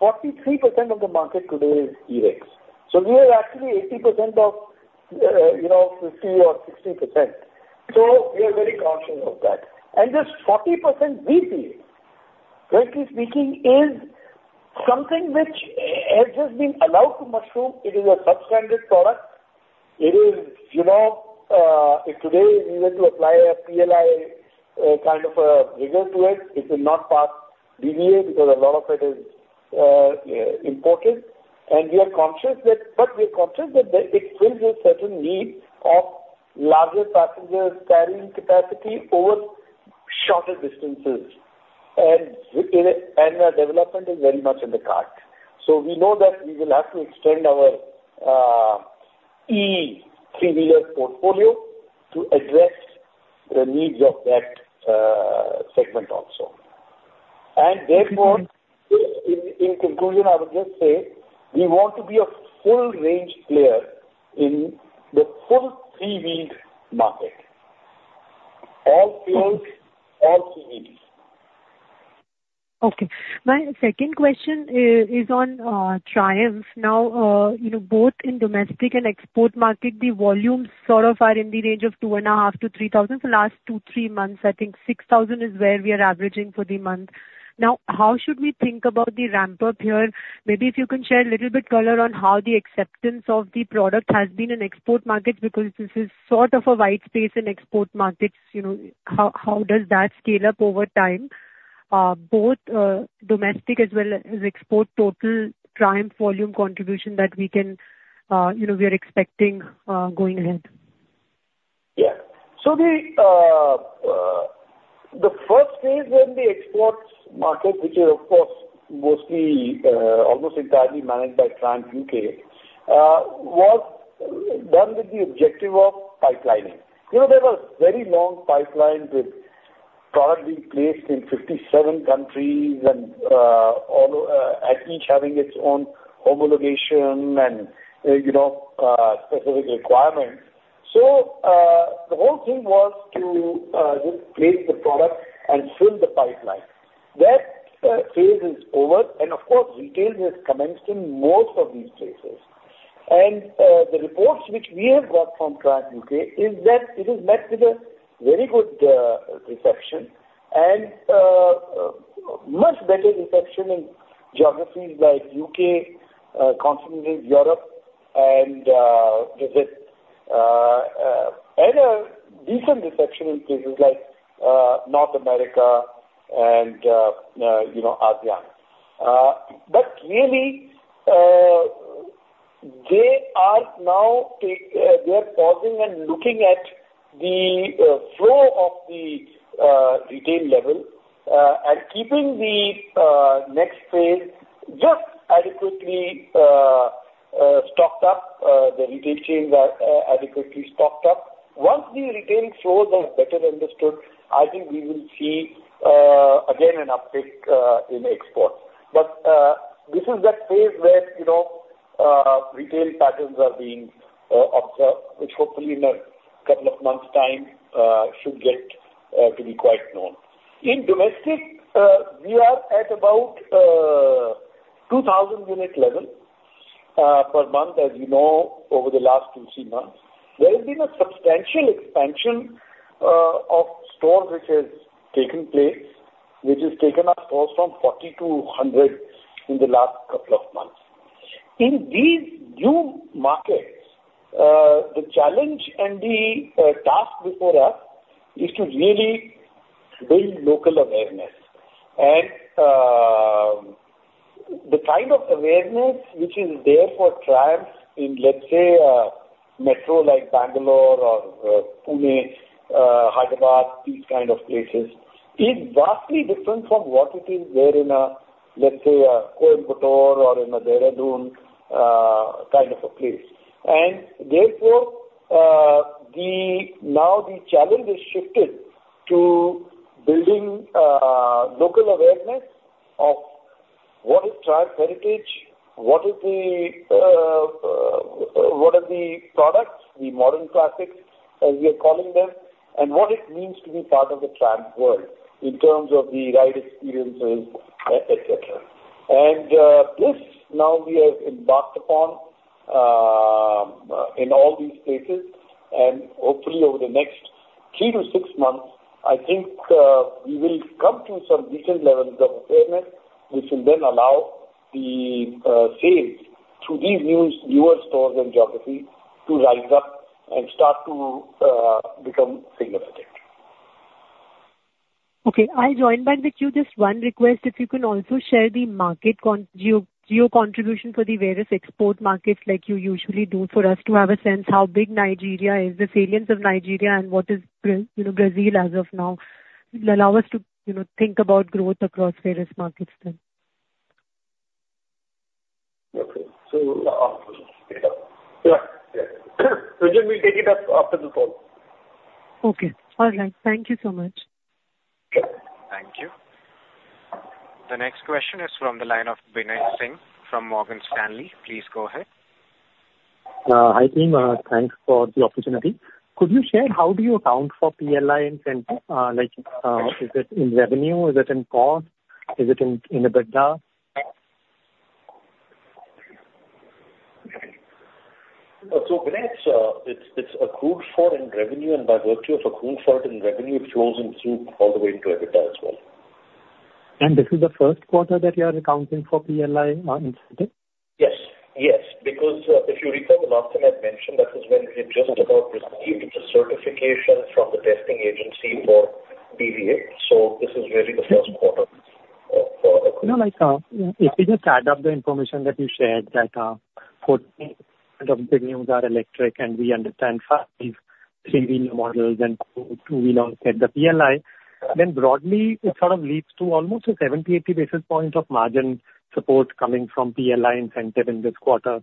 Speaker 3: 43% of the market today is e-ricks. So we are actually 80% of, you know, 50% or 60%. So we are very conscious of that. And this 40% BPA, frankly speaking, is something which has just been allowed to mushroom. It is a substandard product. It is, you know, if today we were to apply a PLI kind of a rigor to it, it will not pass DVA because a lot of it is imported. And we are conscious that but we are conscious that it fills a certain need of larger passenger carrying capacity over shorter distances, and and the development is very much in the cart. So we know that we will have to extend our e-three-wheeler portfolio to address the needs of that segment also. And therefore, in conclusion, I would just say we want to be a full range player in the full three-wheeled market. All fields, all three wheels.
Speaker 6: Okay. My second question is on Triumph. Now, you know, both in domestic and export market, the volumes sort of are in the range of 2,500 to 3,000. The last 2 to 3 months, I think 6,000 is where we are averaging for the month. Now, how should we think about the ramp up here? Maybe if you can share a little bit color on how the acceptance of the product has been in export markets, because this is sort of a wide space in export markets, you know. How does that scale up over time, both domestic as well as export, total Triumph volume contribution that we can, you know, we are expecting, going ahead?
Speaker 3: Yeah. So the first phase in the exports market, which is of course, mostly, almost entirely managed by Triumph UK, was done with the objective of pipelining. You know, there was very long pipeline with product being placed in 57 countries and all at each having its own homologation and you know specific requirements. So the whole thing was to just place the product and fill the pipeline. That phase is over, and of course, retail has commenced in most of these places. The reports which we have got from Triumph UK is that it is met with a very good reception and much better reception in geographies like UK, continental Europe, and a decent reception in places like North America and, you know, ASEAN. But really, they are now pausing and looking at the flow of the retail level and keeping the next phase just adequately stocked up, the retail chains are adequately stocked up. Once the retail flows are better understood, I think we will see again an uptick in exports. But, this is that phase where, you know, retail patterns are being observed, which hopefully in a couple of months' time, should get to be quite known. In domestic, we are at about 2,000 unit level per month, as you know, over the last 2 to 3 months. There has been a substantial expansion of stores which has taken place, which has taken our stores from 40 to 100 in the last couple of months. In these new markets, the challenge and the task before us is to really build local awareness. The kind of awareness which is there for Triumph in, let's say, a metro like Bangalore or, Pune, Hyderabad, these kind of places, is vastly different from what it is there in, let's say, a Coimbatore or in a Dehradun, kind of a place. Therefore, now the challenge is shifted to building local awareness of what is Triumph heritage, what are the products, the modern classics, as we are calling them, and what it means to be part of the Triumph world, in terms of the ride experiences, et cetera. This now we have embarked upon in all these places, and hopefully over the next 3 to 6 months, I think, we will come to some decent levels of awareness, which will then allow the sales through these new, newer stores and geographies to rise up and start to become significant.
Speaker 6: Okay. I'll join back with you. Just one request, if you can also share the market geo contribution for the various export markets like you usually do, for us to have a sense how big Nigeria is, the salience of Nigeria and what is Brazil, you know, as of now. It'll allow us to, you know, think about growth across various markets then.
Speaker 3: Okay. So, yeah. Yeah. So then we'll take it up after the call.
Speaker 6: Okay. All right. Thank you so much.
Speaker 1: Thank you. The next question is from the line of Binay Singh from Morgan Stanley. Please go ahead.
Speaker 7: Hi, team. Thanks for the opportunity. Could you share how do you account for PLI incentive? Like, is it in revenue? Is it in cost? Is it in the EBITDA?
Speaker 3: So Vinay, it's accrued for in revenue, and by virtue of accrued for it in revenue, it flows in through all the way into EBITDA as well.
Speaker 7: This is the first quarter that you are accounting for PLI incentive?
Speaker 3: Yes. Yes, because if you recall, the last time I'd mentioned, that is when we had just about received the certification from the testing agency for DVA. So this is really the first quarter....
Speaker 7: You know, like, if we just add up the information that you shared, that 14% of the units are electric, and we understand 5 three-wheeler models and 2 two-wheelers at the PLI, then broadly it sort of leads to almost 70 to 80 basis points of margin support coming from PLI incentive in this quarter.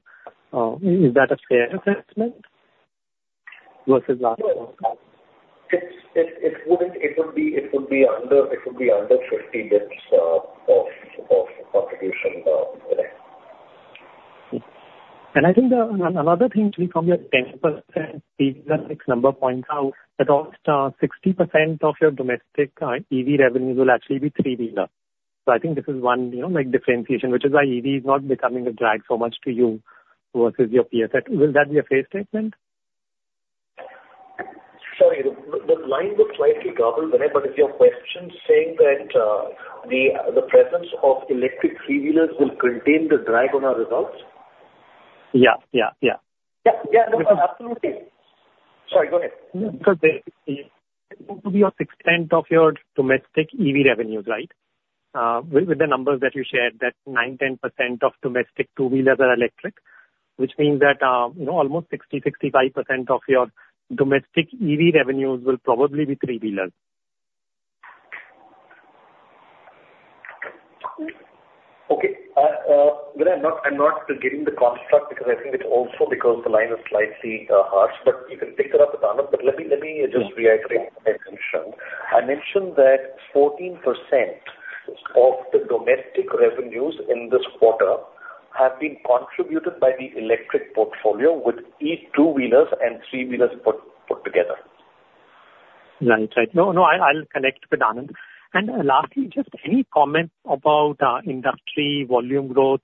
Speaker 7: Is that a fair assessment versus last one?
Speaker 3: It would be under 50 bps of contribution today.
Speaker 7: And I think, another thing to be from your 10% number points out, that almost, sixty percent of your domestic, EV revenues will actually be three-wheeler. So I think this is one, you know, like, differentiation, which is why EV is not becoming a drag so much to you versus your PSAT. Will that be a fair statement?
Speaker 3: Sorry, the line was slightly garbled, but is your question saying that the presence of electric three-wheelers will contain the drag on our results?
Speaker 7: Yeah. Yeah, yeah.
Speaker 3: Yeah, yeah, absolutely. Sorry, go ahead.
Speaker 7: Because it would be on 60% of your domestic EV revenues, right? With the numbers that you shared, that 9% to 10% of domestic two-wheelers are electric, which means that, you know, almost 60% to 65% of your domestic EV revenues will probably be three-wheelers.
Speaker 3: Okay. Well, I'm not getting the construct because I think it's also because the line is slightly harsh, but you can pick it up with Anand. But let me just reiterate my mention. I mentioned that 14% of the domestic revenues in this quarter have been contributed by the electric portfolio with e-two-wheelers and three-wheelers put together.
Speaker 7: Right. Right. No, no, I'll, I'll connect with Anand. And lastly, just any comment about, industry volume growth,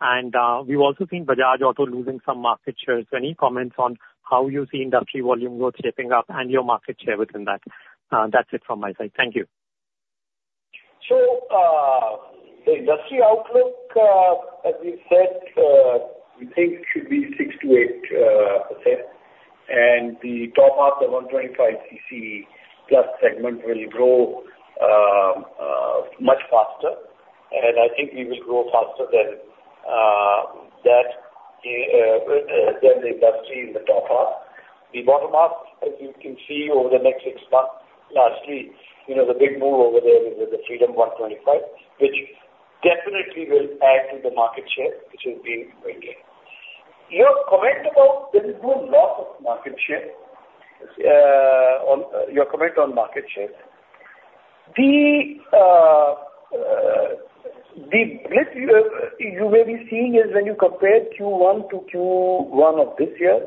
Speaker 7: and, we've also seen Bajaj Auto losing some market share. So any comments on how you see industry volume growth shaping up and your market share within that? That's it from my side. Thank you.
Speaker 3: So, the industry outlook, as we said, we think should be 6% to 8%. And the top half of 125 cc plus segment will grow much faster. And I think we will grow faster than that than the industry in the top half. The bottom half, as you can see over the next six months, lastly, you know, the big move over there is the Freedom 125, which definitely will add to the market share, which has been waning. Your comment about there has been loss of market share, on your comment on market share. The bit you may be seeing is when you compare Q1 to Q1 of this year.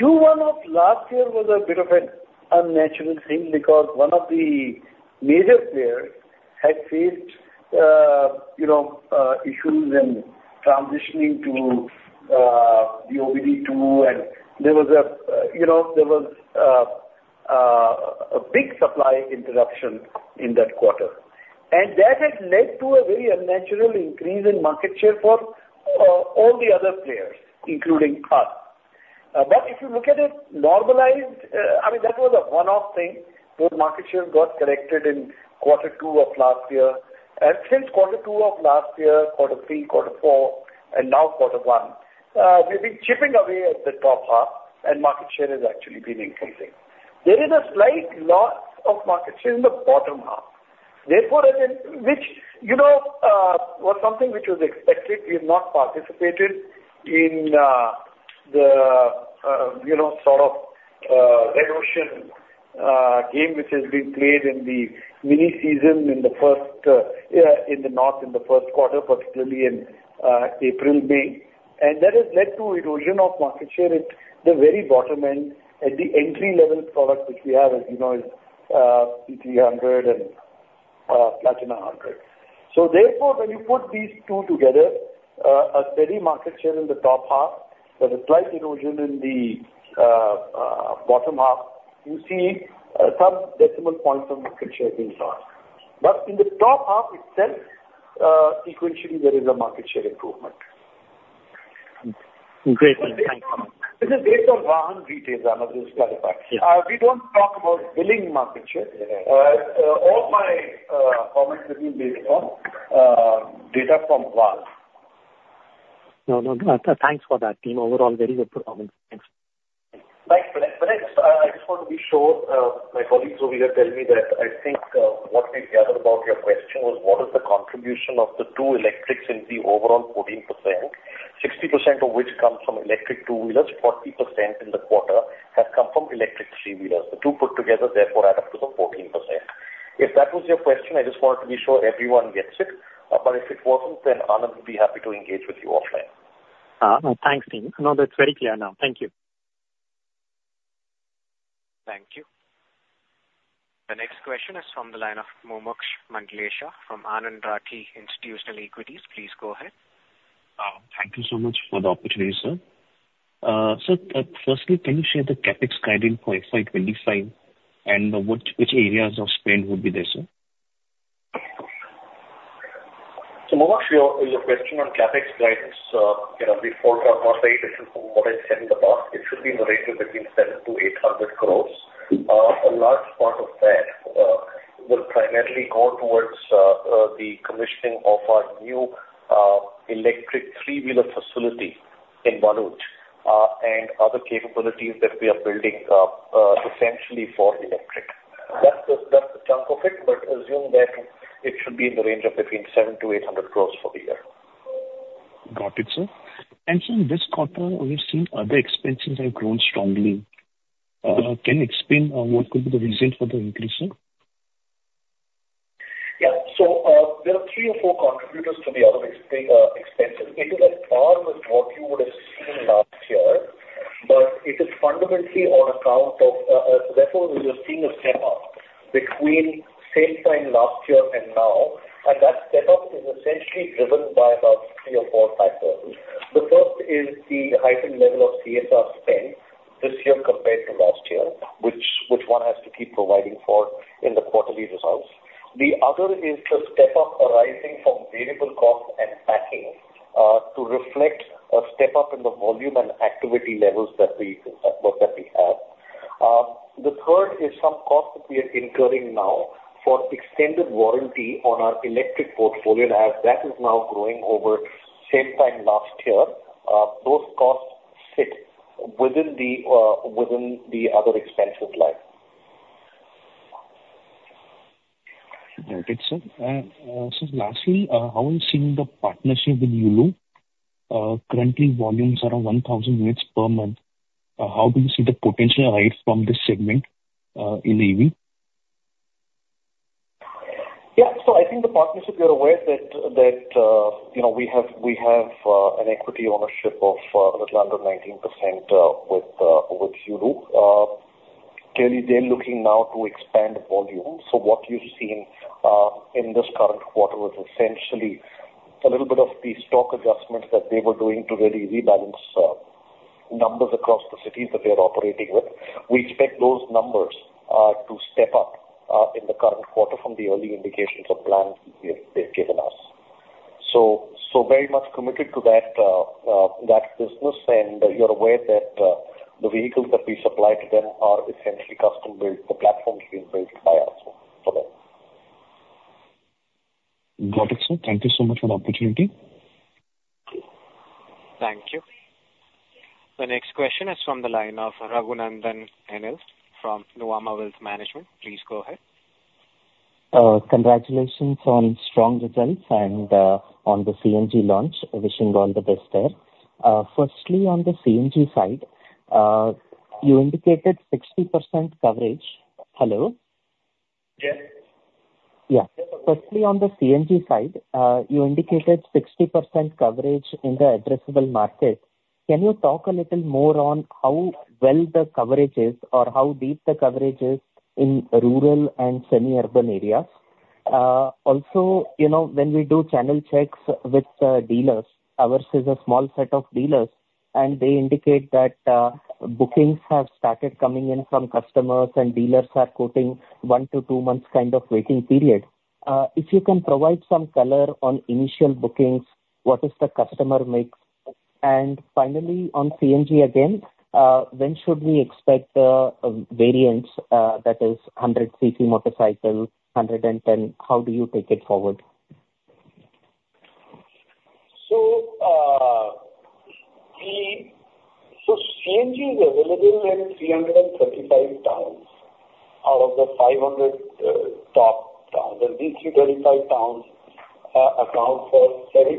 Speaker 3: Q1 of last year was a bit of an unnatural thing because one of the major players had faced, you know, issues in transitioning to the OBD 2, and there was, you know, a big supply interruption in that quarter. And that had led to a very unnatural increase in market share for all the other players, including us. But if you look at it normalized, I mean, that was a one-off thing. Those market shares got corrected in quarter two of last year, and since quarter two of last year, quarter three, quarter four, and now quarter one, we've been chipping away at the top half, and market share has actually been increasing. There is a slight loss of market share in the bottom half. Therefore, as in which, you know, was something which was expected. We have not participated in, the, you know, sort of, red ocean, game, which has been played in the monsoon season in the first, in the north, in the first quarter, particularly in, April, May. And that has led to erosion of market share at the very bottom end, at the entry level product, which we have, as you know, is, CT 100 and, Platina 100. So therefore, when you put these two together, a steady market share in the top half, there's a slight erosion in the, bottom half. You see some decimal points of market share being lost. But in the top half itself, sequentially, there is a market share improvement.
Speaker 7: Great. Thank you.
Speaker 3: This is based on Vahan retail, I might just clarify.
Speaker 7: Yeah.
Speaker 3: We don't talk about billing market share.
Speaker 7: Mm-hmm.
Speaker 3: All my comments will be based on data from Vahan.
Speaker 7: No, no, thanks for that, team. Overall, very good performance. Thanks.
Speaker 4: Thanks, Vinay. Vinay, I just want to be sure, my colleague over here telling me that I think, what we gathered about your question was what is the contribution of the two electrics in the overall 14%, 60% of which comes from electric two-wheelers, 40% in the quarter has come from electric three-wheelers. The two put together therefore add up to the 14%. If that was your question, I just wanted to be sure everyone gets it. But if it wasn't, then Anand would be happy to engage with you offline.
Speaker 7: No, thanks, team. No, that's very clear now. Thank you.
Speaker 1: Thank you. The next question is from the line of Mumuksh Mandlesha from Anand Rathi Institutional Equities. Please go ahead.
Speaker 8: Thank you so much for the opportunity, sir. Sir, firstly, can you share the CapEx guidance for FY 2025, and what, which areas of spend would be there, sir?
Speaker 3: So Mumuksh, your question on CapEx guidance, you know, before not very different from what I said in the past, it should be in the range of between 700 crore and 800 crore. A large part of that will primarily go towards the commissioning of our new electric three-wheeler facility in Bharuch and other capabilities that we are building up, essentially for electric. That's the chunk of it, but assume that it should be in the range of between 700 crore and 800 crore for the year.
Speaker 8: Got it, sir. And sir, in this quarter, we've seen other expenses have grown strongly. Can you explain, what could be the reason for the increase, sir?
Speaker 3: Yeah. So, there are three or four contributors to the other expenses. It is at par with what you would have seen last year, but it is fundamentally on account of, therefore, we are seeing a step up between same time last year and now, and that step up is essentially driven by about three or four factors. The first is the heightened level of CSR spend this year compared to last year, which one has to keep providing for in the quarterly results. The other is the step up arising from variable costs and packing to reflect a step up in the volume and activity levels that we have. The third is some costs we are incurring now for extended warranty on our electric portfolio, as that is now growing over same time last year. Those costs sit within the other expenses line.
Speaker 8: Got it, sir. So lastly, how are you seeing the partnership with Yulu? Currently, volumes are 1,000 units per month. How do you see the potential ahead from this segment, in EV?
Speaker 3: Yeah, so I think the partnership, you're aware that you know, we have an equity ownership of little under 19% with Yulu. Clearly, they're looking now to expand volumes. So what you've seen in this current quarter is essentially a little bit of the stock adjustments that they were doing to really rebalance numbers across the cities that they are operating with. We expect those numbers to step up in the current quarter from the early indications of plans they've given us. So very much committed to that business and you're aware that the vehicles that we supply to them are essentially custom built, the platform has been built by us for them.
Speaker 8: Got it, sir. Thank you so much for the opportunity.
Speaker 1: Thank you. The next question is from the line of Raghunandan N.L from Nuvama Wealth Management. Please go ahead.
Speaker 9: Congratulations on strong results and on the CNG launch. Wishing you all the best there. Firstly, on the CNG side, you indicated 60% coverage. Hello?
Speaker 3: Yes.
Speaker 9: Yeah. Firstly, on the CNG side, you indicated 60% coverage in the addressable market. Can you talk a little more on how well the coverage is or how deep the coverage is in rural and semi-urban areas? Also, you know, when we do channel checks with dealers, ours is a small set of dealers, and they indicate that bookings have started coming in from customers, and dealers are quoting 1 to 2 months kind of waiting period. If you can provide some color on initial bookings, what is the customer mix? And finally, on CNG again, when should we expect variants, that is 100 cc motorcycle, 110? How do you take it forward?
Speaker 3: So, CNG is available in 335 towns, out of the 500 top towns, and these 335 towns account for 70%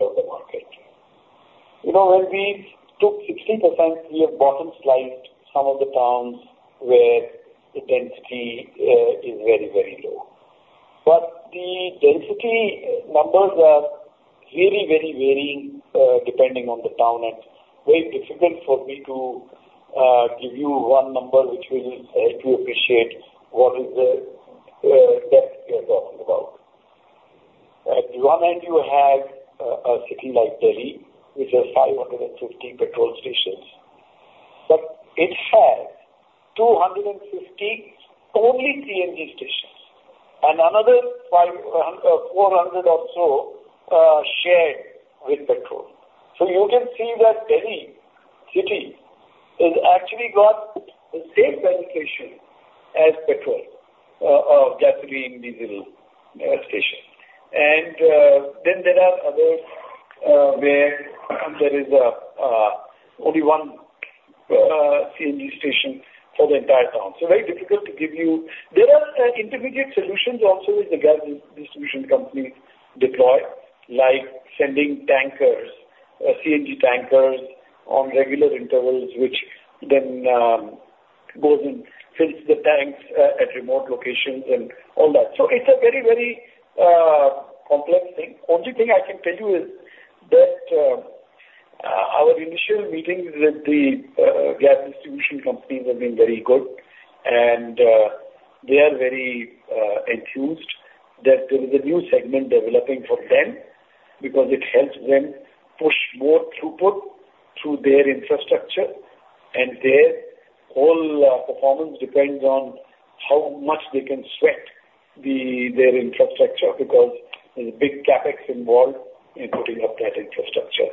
Speaker 3: of the market. You know, when we took 60%, we have bottom sliced some of the towns where the density is very, very low. But the density numbers are very, very varying, depending on the town, and very difficult for me to give you one number which will help you appreciate what is the depth we are talking about. At one end, you have a city like Delhi, which has 550 petrol stations, but it has 250 only CNG stations, and another 500 or so shared with petrol. So you can see that Delhi City has actually got the same penetration as petrol, gasoline vehicle stations. And then there are others, where there is only one CNG station for the entire town. So very difficult to give you... There are intermediate solutions also with the gas distribution company deployment, like sending tankers, CNG tankers on regular intervals, which then goes and fills the tanks at remote locations and all that. So it's a very, very complex thing. Only thing I can tell you is that our initial meetings with the gas distribution companies have been very good, and they are very enthused that there is a new segment developing for them, because it helps them push more throughput through their infrastructure, and their whole performance depends on how much they can sweat their infrastructure, because there's a big CapEx involved in putting up that infrastructure.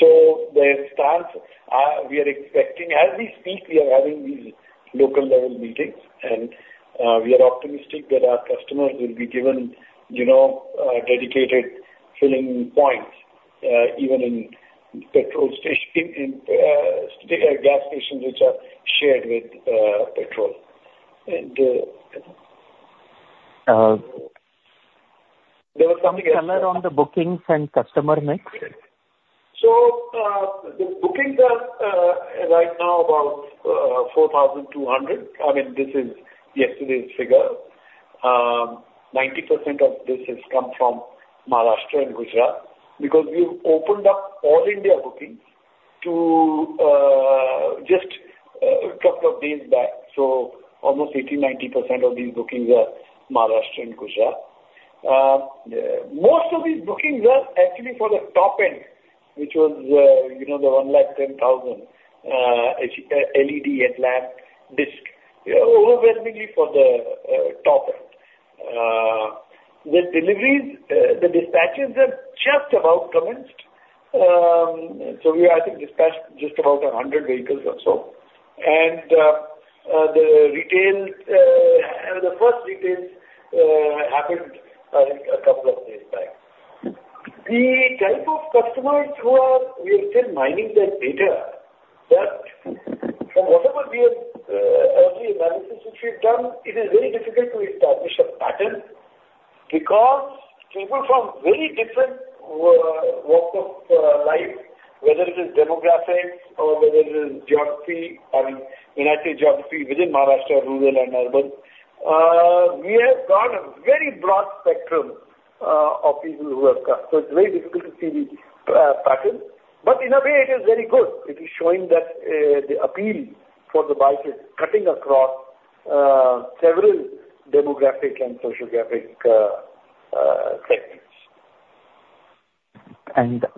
Speaker 3: So their stance are we are expecting, as we speak, we are having these local level meetings, and we are optimistic that our customers will be given, you know, dedicated filling points, even in petrol station in gas stations, which are shared with petrol.
Speaker 9: And there were some-Color on the bookings and customer mix?
Speaker 3: So, the bookings are right now about 4,200. I mean, this is yesterday's figure. 90% of this has come from Maharashtra and Gujarat, because we've opened up all India bookings to just a couple of days back. So almost 80 to 90% of these bookings are Maharashtra and Gujarat. Most of these bookings are actually for the top end, which was, you know, the 110,000 H-LED headlamp disc, overwhelmingly for the top end. With deliveries, the dispatches have just about commenced. So we, I think, dispatched just about 100 vehicles or so. And the retail, the first retails happened, I think a couple of days back. The type of customers who are, we are still mining that data, but from whatever we have, early analysis which we've done, it is very difficult to establish a pattern, because people from very different walks of life, whether it is demographics or whether it is geography, I mean, when I say geography within Maharashtra, rural and urban, we have got a very broad spectrum of people who have come. So it's very difficult to see the pattern. But in a way, it is very good. It is showing that the appeal for the bike is cutting across several demographic and sociographic segments.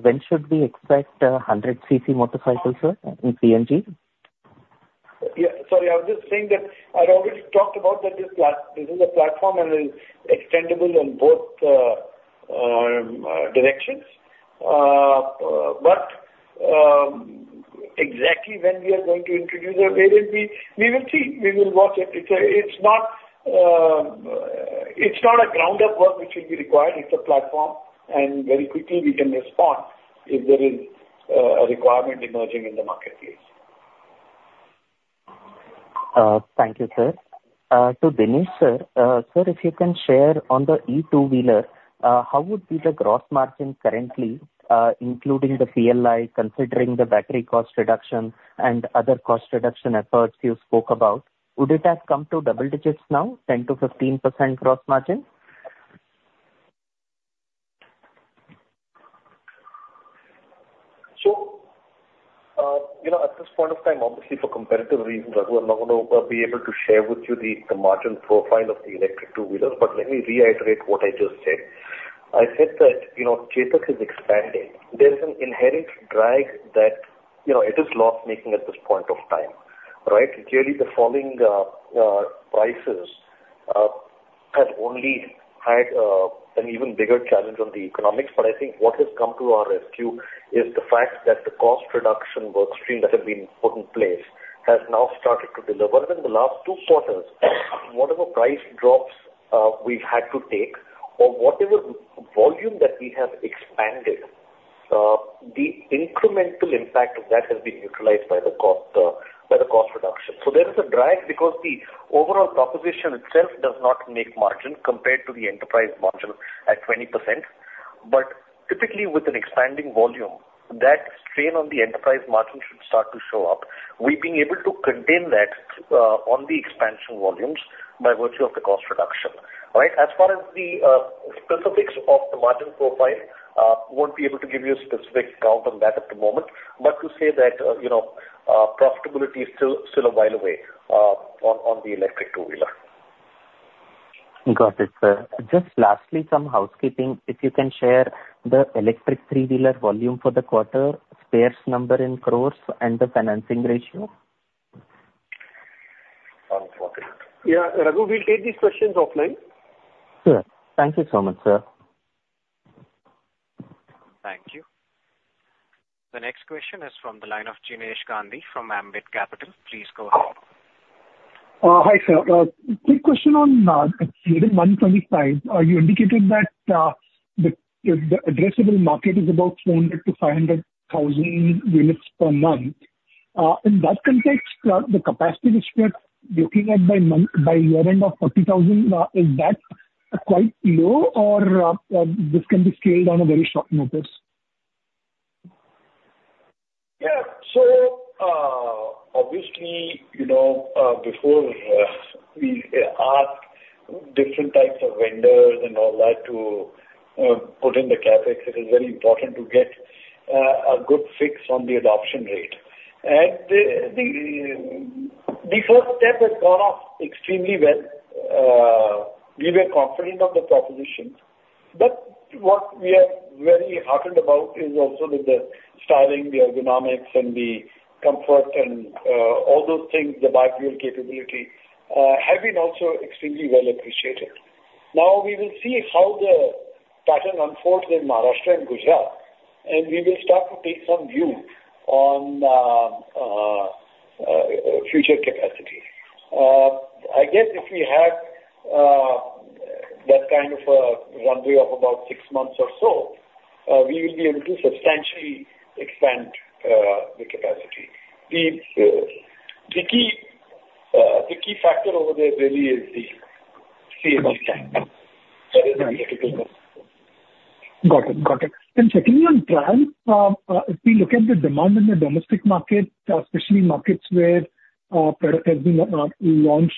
Speaker 9: When should we expect a 100 cc motorcycle, sir, in CNG?
Speaker 3: Yeah. Sorry, I was just saying that I'd already talked about that this is a platform and is extendable in both directions. But exactly when we are going to introduce it, maybe we will see. We will watch it. It's not a ground up work which will be required. It's a platform, and very quickly we can respond if there is a requirement emerging in the marketplace.
Speaker 9: Thank you, sir. To Dinesh, sir, sir, if you can share on the EV two-wheeler, how would be the gross margin currently, including the PLI, considering the battery cost reduction and other cost reduction efforts you spoke about? Would it have come to double digits now, 10% to 15% gross margin?
Speaker 4: So, you know, at this point of time, obviously, for competitive reasons, I'm not going to be able to share with you the margin profile of the electric two wheeler, but let me reiterate what I just said. I said that, you know, Chetak is expanding. There is an inherent drag that, you know, it is loss making at this point of time, right? Clearly, the falling prices have only had an even bigger challenge on the economics. But I think what has come to our rescue is the fact that the cost reduction work stream that has been put in place has now started to deliver. In the last two quarters, whatever price drops we've had to take or whatever volume that we have expanded, the incremental impact of that has been neutralized by the cost, by the cost reduction. So there is a drag, because the overall proposition itself does not make margin compared to the enterprise margin at 20%. But typically, with an expanding volume, that strain on the enterprise margin should start to show up. We've been able to contain that, on the expansion volumes by virtue of the cost reduction. All right? As far as the specifics of the margin profile, won't be able to give you a specific count on that at the moment, but to say that, you know, profitability is still, still a while away, on, on the electric two wheeler.
Speaker 9: Got it, sir. Just lastly, some housekeeping. If you can share the electric three-wheeler volume for the quarter, spares number in crores, and the financing ratio.
Speaker 3: Yeah, Raghu, we'll take these questions offline.
Speaker 9: Sure. Thank you so much, sir.
Speaker 1: Thank you. The next question is from the line of Jinesh Gandhi from Ambit Capital. Please go ahead.
Speaker 10: Hi, sir. Quick question on 125, you indicated that the addressable market is about 400,000 to 500,000 units per month. In that context, the capacity which we are looking at by month by year-end of 40,000, is that quite low or this can be scaled on a very short notice?
Speaker 3: Yeah. So, obviously, you know, before we ask different types of vendors and all that to put in the CapEx, it is very important to get a good fix on the adoption rate. And the first step has gone off extremely well. We were confident of the proposition, but what we are very heartened about is also that the styling, the ergonomics, and the comfort and all those things, the bike wheel capability, have been also extremely well appreciated. Now we will see how the pattern unfolds in Maharashtra and Gujarat, and we will start to take some view on future capacity. I guess if we had that kind of runway of about six months or so, we will be able to substantially expand the capacity. The key factor over there really is the sales channel. That is very critical.
Speaker 10: Got it. Got it. And secondly, on Triumph, if we look at the demand in the domestic market, especially markets where product has been launched,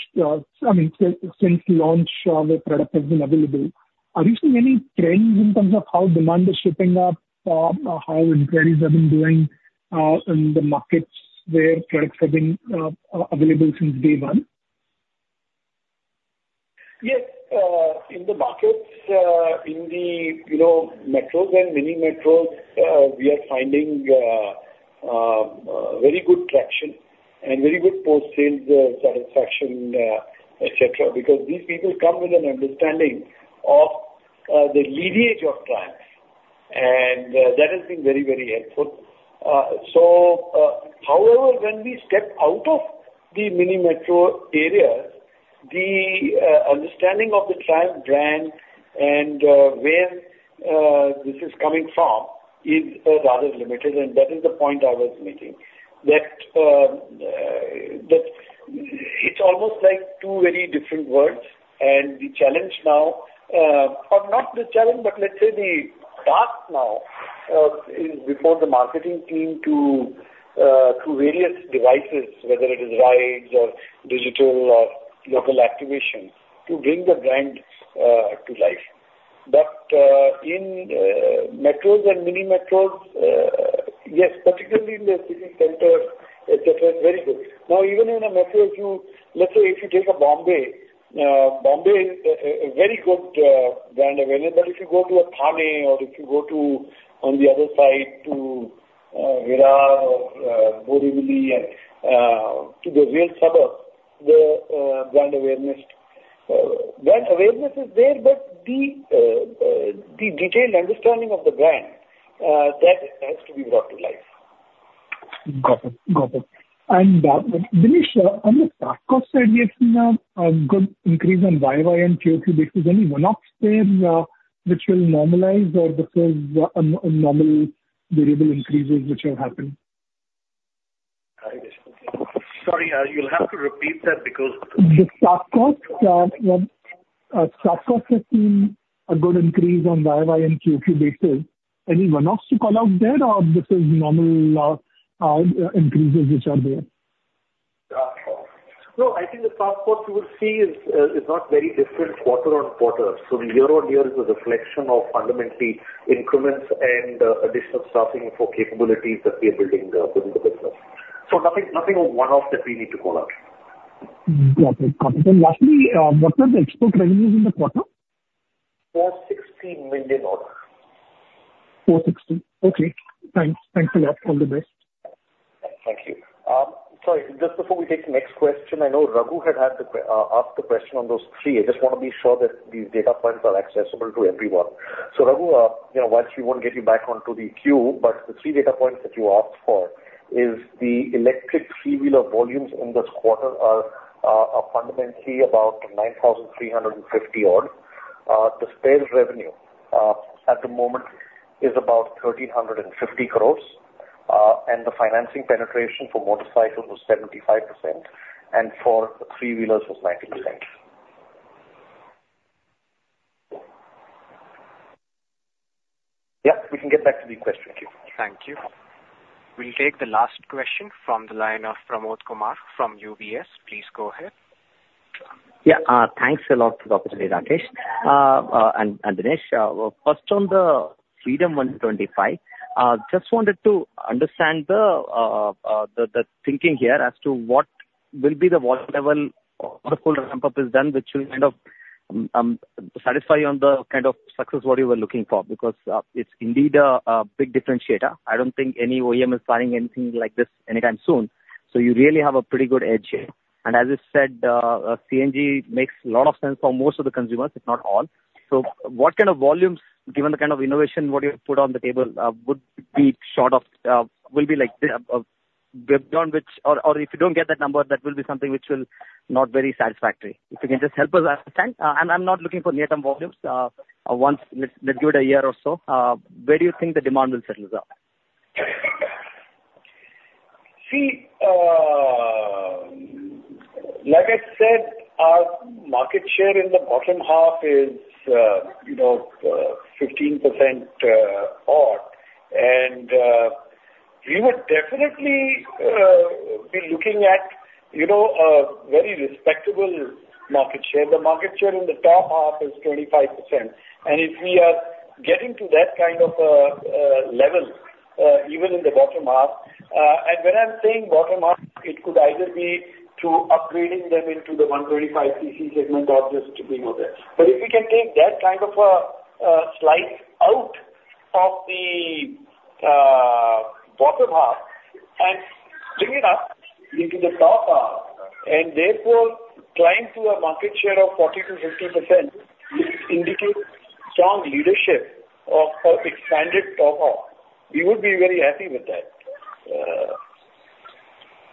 Speaker 10: I mean, since launch, where product has been available, are you seeing any trends in terms of how demand is shaping up, or how inquiries have been doing, in the markets where products have been available since day one?
Speaker 3: Yes. In the markets, in the, you know, metros and mini metros, we are finding very good traction and very good post-sales satisfaction, et cetera, because these people come with an understanding of the lineage of Triumph, and that has been very, very helpful. So, however, when we step out of the mini metro areas, the understanding of the Triumph brand and where this is coming from is rather limited, and that is the point I was making. That, that it's almost like two very different worlds. And the challenge now, or not the challenge, but let's say the task now, is before the marketing team to, through various devices, whether it is rides or digital or local activation, to bring the brand to life. But in metros and mini metros, yes, particularly in the city centers, et cetera, it's very good. Now, even in a metro, if you—let's say if you take a Bombay, Bombay is a very good brand awareness. But if you go to a Thane or if you go to, on the other side, to Virar or Borivali and to the real suburbs, the brand awareness is there, but the detailed understanding of the brand that has to be brought to life.
Speaker 10: Got it. Got it. And, Dinesh, on the staff cost side, we have seen a good increase on year-over-year and quarter-over-quarter basis. Any one-offs there, which will normalize or this is a normal variable increases which have happened?
Speaker 3: Sorry, you'll have to repeat that because-
Speaker 10: The staff cost, staff cost has seen a good increase on Y-o-Y and QoQ basis. Any one-offs to call out there, or this is normal, increases which are there?
Speaker 3: No, I think the staff cost you will see is not very different quarter-over-quarter. So year-over-year is a reflection of fundamentally increments and additional staffing for capabilities that we are building within the business. So nothing, nothing a one-off that we need to call out.
Speaker 10: Got it. Got it. And lastly, what were the export revenues in the quarter?
Speaker 3: $460 million.
Speaker 10: 460. Okay, thanks. Thanks a lot. All the best.
Speaker 3: Thank you. Sorry, just before we take the next question, I know Raghu had asked the question on those three. I just want to be sure that these data points are accessible to everyone. So, Raghu, you know, whilst we won't get you back onto the queue, but the three data points that you asked for is the electric three-wheeler volumes in this quarter are fundamentally about 9,350. The spares revenue at the moment is about 1,350 crores. And the financing penetration for motorcycles was 75%, and for the three-wheelers was 90%. Yeah, we can get back to the question. Thank you.
Speaker 1: Thank you. We'll take the last question from the line of Pramod Kumar from UBS. Please go ahead.
Speaker 11: Yeah. Thanks a lot, Dr. Rakesh, and Dinesh. First on the Freedom 125, just wanted to understand the thinking here as to what will be the volume level after the full ramp-up is done, which will kind of satisfy you on the kind of success what you were looking for? Because, it's indeed a big differentiator. I don't think any OEM is planning anything like this anytime soon, so you really have a pretty good edge here. And as you said, CNG makes a lot of sense for most of the consumers, if not all. So what kind of volumes, given the kind of innovation, what you have put on the table, would be short of, will be like, beyond which... Or if you don't get that number, that will be something which will not very satisfactory. If you can just help us understand. And I'm not looking for near-term volumes. Once, let's give it a year or so, where do you think the demand will settle down?
Speaker 3: See, like I said, our market share in the bottom half is, you know, 15%, odd. And, we would definitely, be looking at, you know, a very respectable market share. The market share in the top half is 25%, and if we are getting to that kind of level, even in the bottom half, and when I'm saying bottom half, it could either be through upgrading them into the 125 cc segment or just tipping over. But if we can take that kind of a slice out of the bottom half and bring it up into the top half, and therefore climb to a market share of 40% to 50%, which indicates strong leadership of our expanded top half... we would be very happy with that.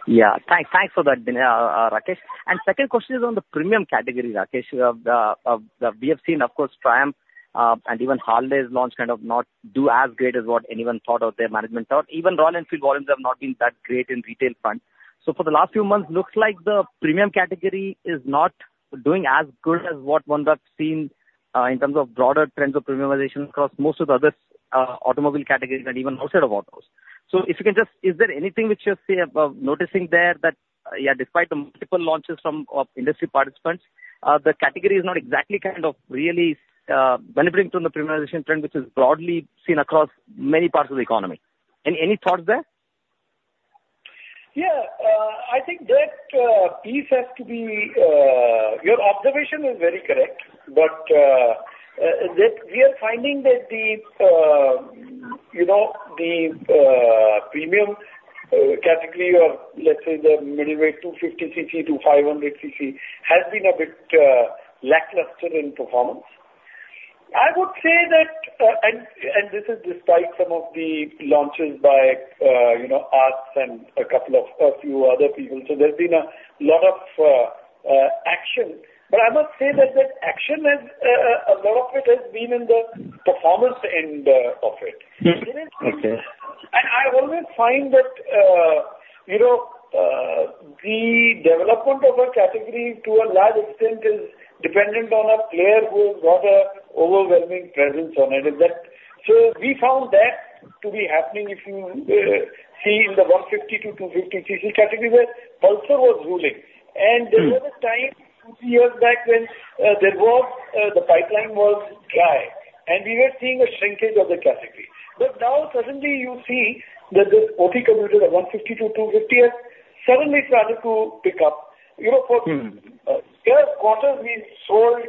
Speaker 11: Yeah. Thanks for that, Rakesh. Second question is on the premium category, Rakesh. We have seen, of course, Triumph and even Harley's launch kind of not do as great as what anyone thought of their management or even Royal Enfield volumes have not been that great in the retail front. So for the last few months, looks like the premium category is not doing as good as what one might have seen in terms of broader trends of premiumization across most of the other automobile categories and even outside of autos. So if you can just is there anything which you're noticing there that, yeah, despite the multiple launches from of industry participants, the category is not exactly kind of really benefiting from the premiumization trend, which is broadly seen across many parts of the economy. Any, any thoughts there?
Speaker 3: Yeah, I think that piece has to be... Your observation is very correct. But that we are finding that the, you know, the premium category or let's say the middleweight 250 cc to 500 cc has been a bit lackluster in performance. I would say that, and this is despite some of the launches by, you know, us and a couple of a few other people. So there's been a lot of action, but I must say that that action has a lot of it has been in the performance end of it.
Speaker 11: Mm-hmm. Okay.
Speaker 3: And I always find that, you know, the development of a category to a large extent is dependent on a player who has got a overwhelming presence on it. So we found that to be happening if you see in the 150 to 250 cc category, where Pulsar was ruling.
Speaker 11: Mm.
Speaker 3: There was a time, 2 to 3 years back, when there was the pipeline was dry, and we were seeing a shrinkage of the category. But now suddenly you see that this 40 commuter, the 150 to 250, has suddenly started to pick up. You know, for-
Speaker 11: Mm.
Speaker 3: Last quarter, we sold,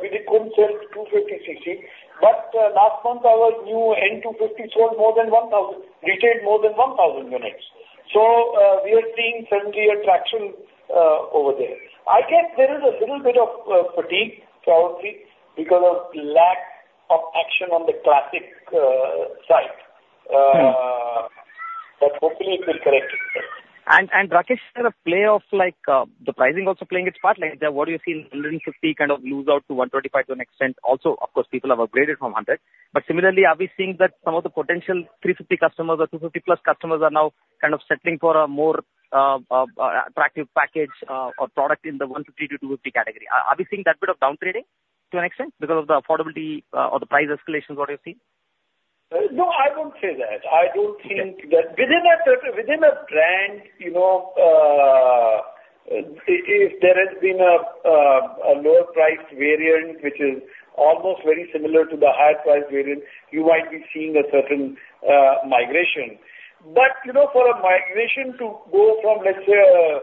Speaker 3: we didn't sell 250 cc, but last month our new N 250 sold more than 1,000, retailed more than 1,000 units. So, we are seeing certainly a traction over there. I guess there is a little bit of fatigue probably because of lack of action on the classic side.
Speaker 11: Mm.
Speaker 3: But hopefully it will correct itself.
Speaker 11: And Rakesh, is there a play of like, the pricing also playing its part? Like, what do you see in 150 kind of lose out to 125 to an extent? Also, of course, people have upgraded from 100. But similarly, are we seeing that some of the potential 350 customers or 250+ customers are now kind of settling for a more, attractive package, or product in the 150 to 250 category? Are we seeing that bit of downgrading to an extent because of the affordability, or the price escalations, what are you seeing?
Speaker 3: No, I won't say that. I don't think that within a certain, within a brand, you know, if, if there has been a, a lower priced variant, which is almost very similar to the higher priced variant, you might be seeing a certain, migration. But, you know, for a migration to go from, let's say, a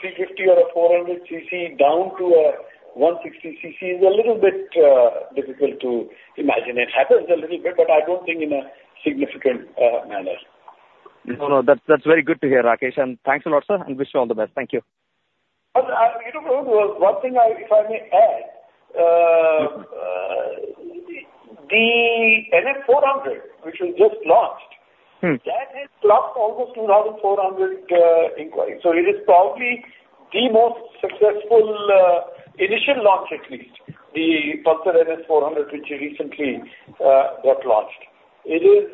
Speaker 3: 350 or a 400 cc down to a 160 cc, is a little bit, difficult to imagine. It happens a little bit, but I don't think in a significant, manner.
Speaker 11: No, no, that's, that's very good to hear, Rakesh. And thanks a lot, sir, and wish you all the best. Thank you.
Speaker 3: You know, one thing I, if I may add,
Speaker 11: Mm-hmm.
Speaker 3: the NS 400, which was just launched-
Speaker 11: Mm.
Speaker 3: -that has crossed almost 2,400 inquiries. So it is probably the most successful initial launch, at least. The Pulsar NS 400, which recently got launched. It is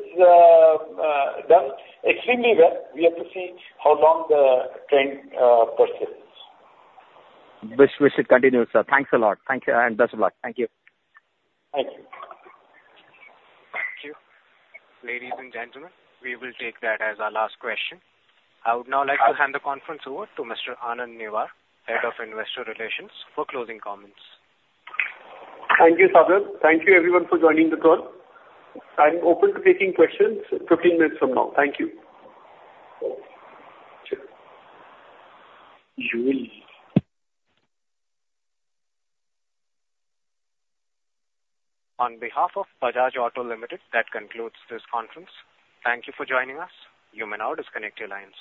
Speaker 3: done extremely well. We have to see how long the trend persists.
Speaker 11: Wish, wish it continues, sir. Thanks a lot. Thank you, and best of luck. Thank you.
Speaker 3: Thank you.
Speaker 1: Thank you. Ladies and gentlemen, we will take that as our last question. I would now like to hand the conference over to Mr. Anand Newar, Head of Investor Relations, for closing comments.
Speaker 2: Thank you, Sagar. Thank you everyone for joining the call. I'm open to taking questions 15 minutes from now. Thank you.
Speaker 1: On behalf of Bajaj Auto Limited, that concludes this conference. Thank you for joining us. You may now disconnect your lines.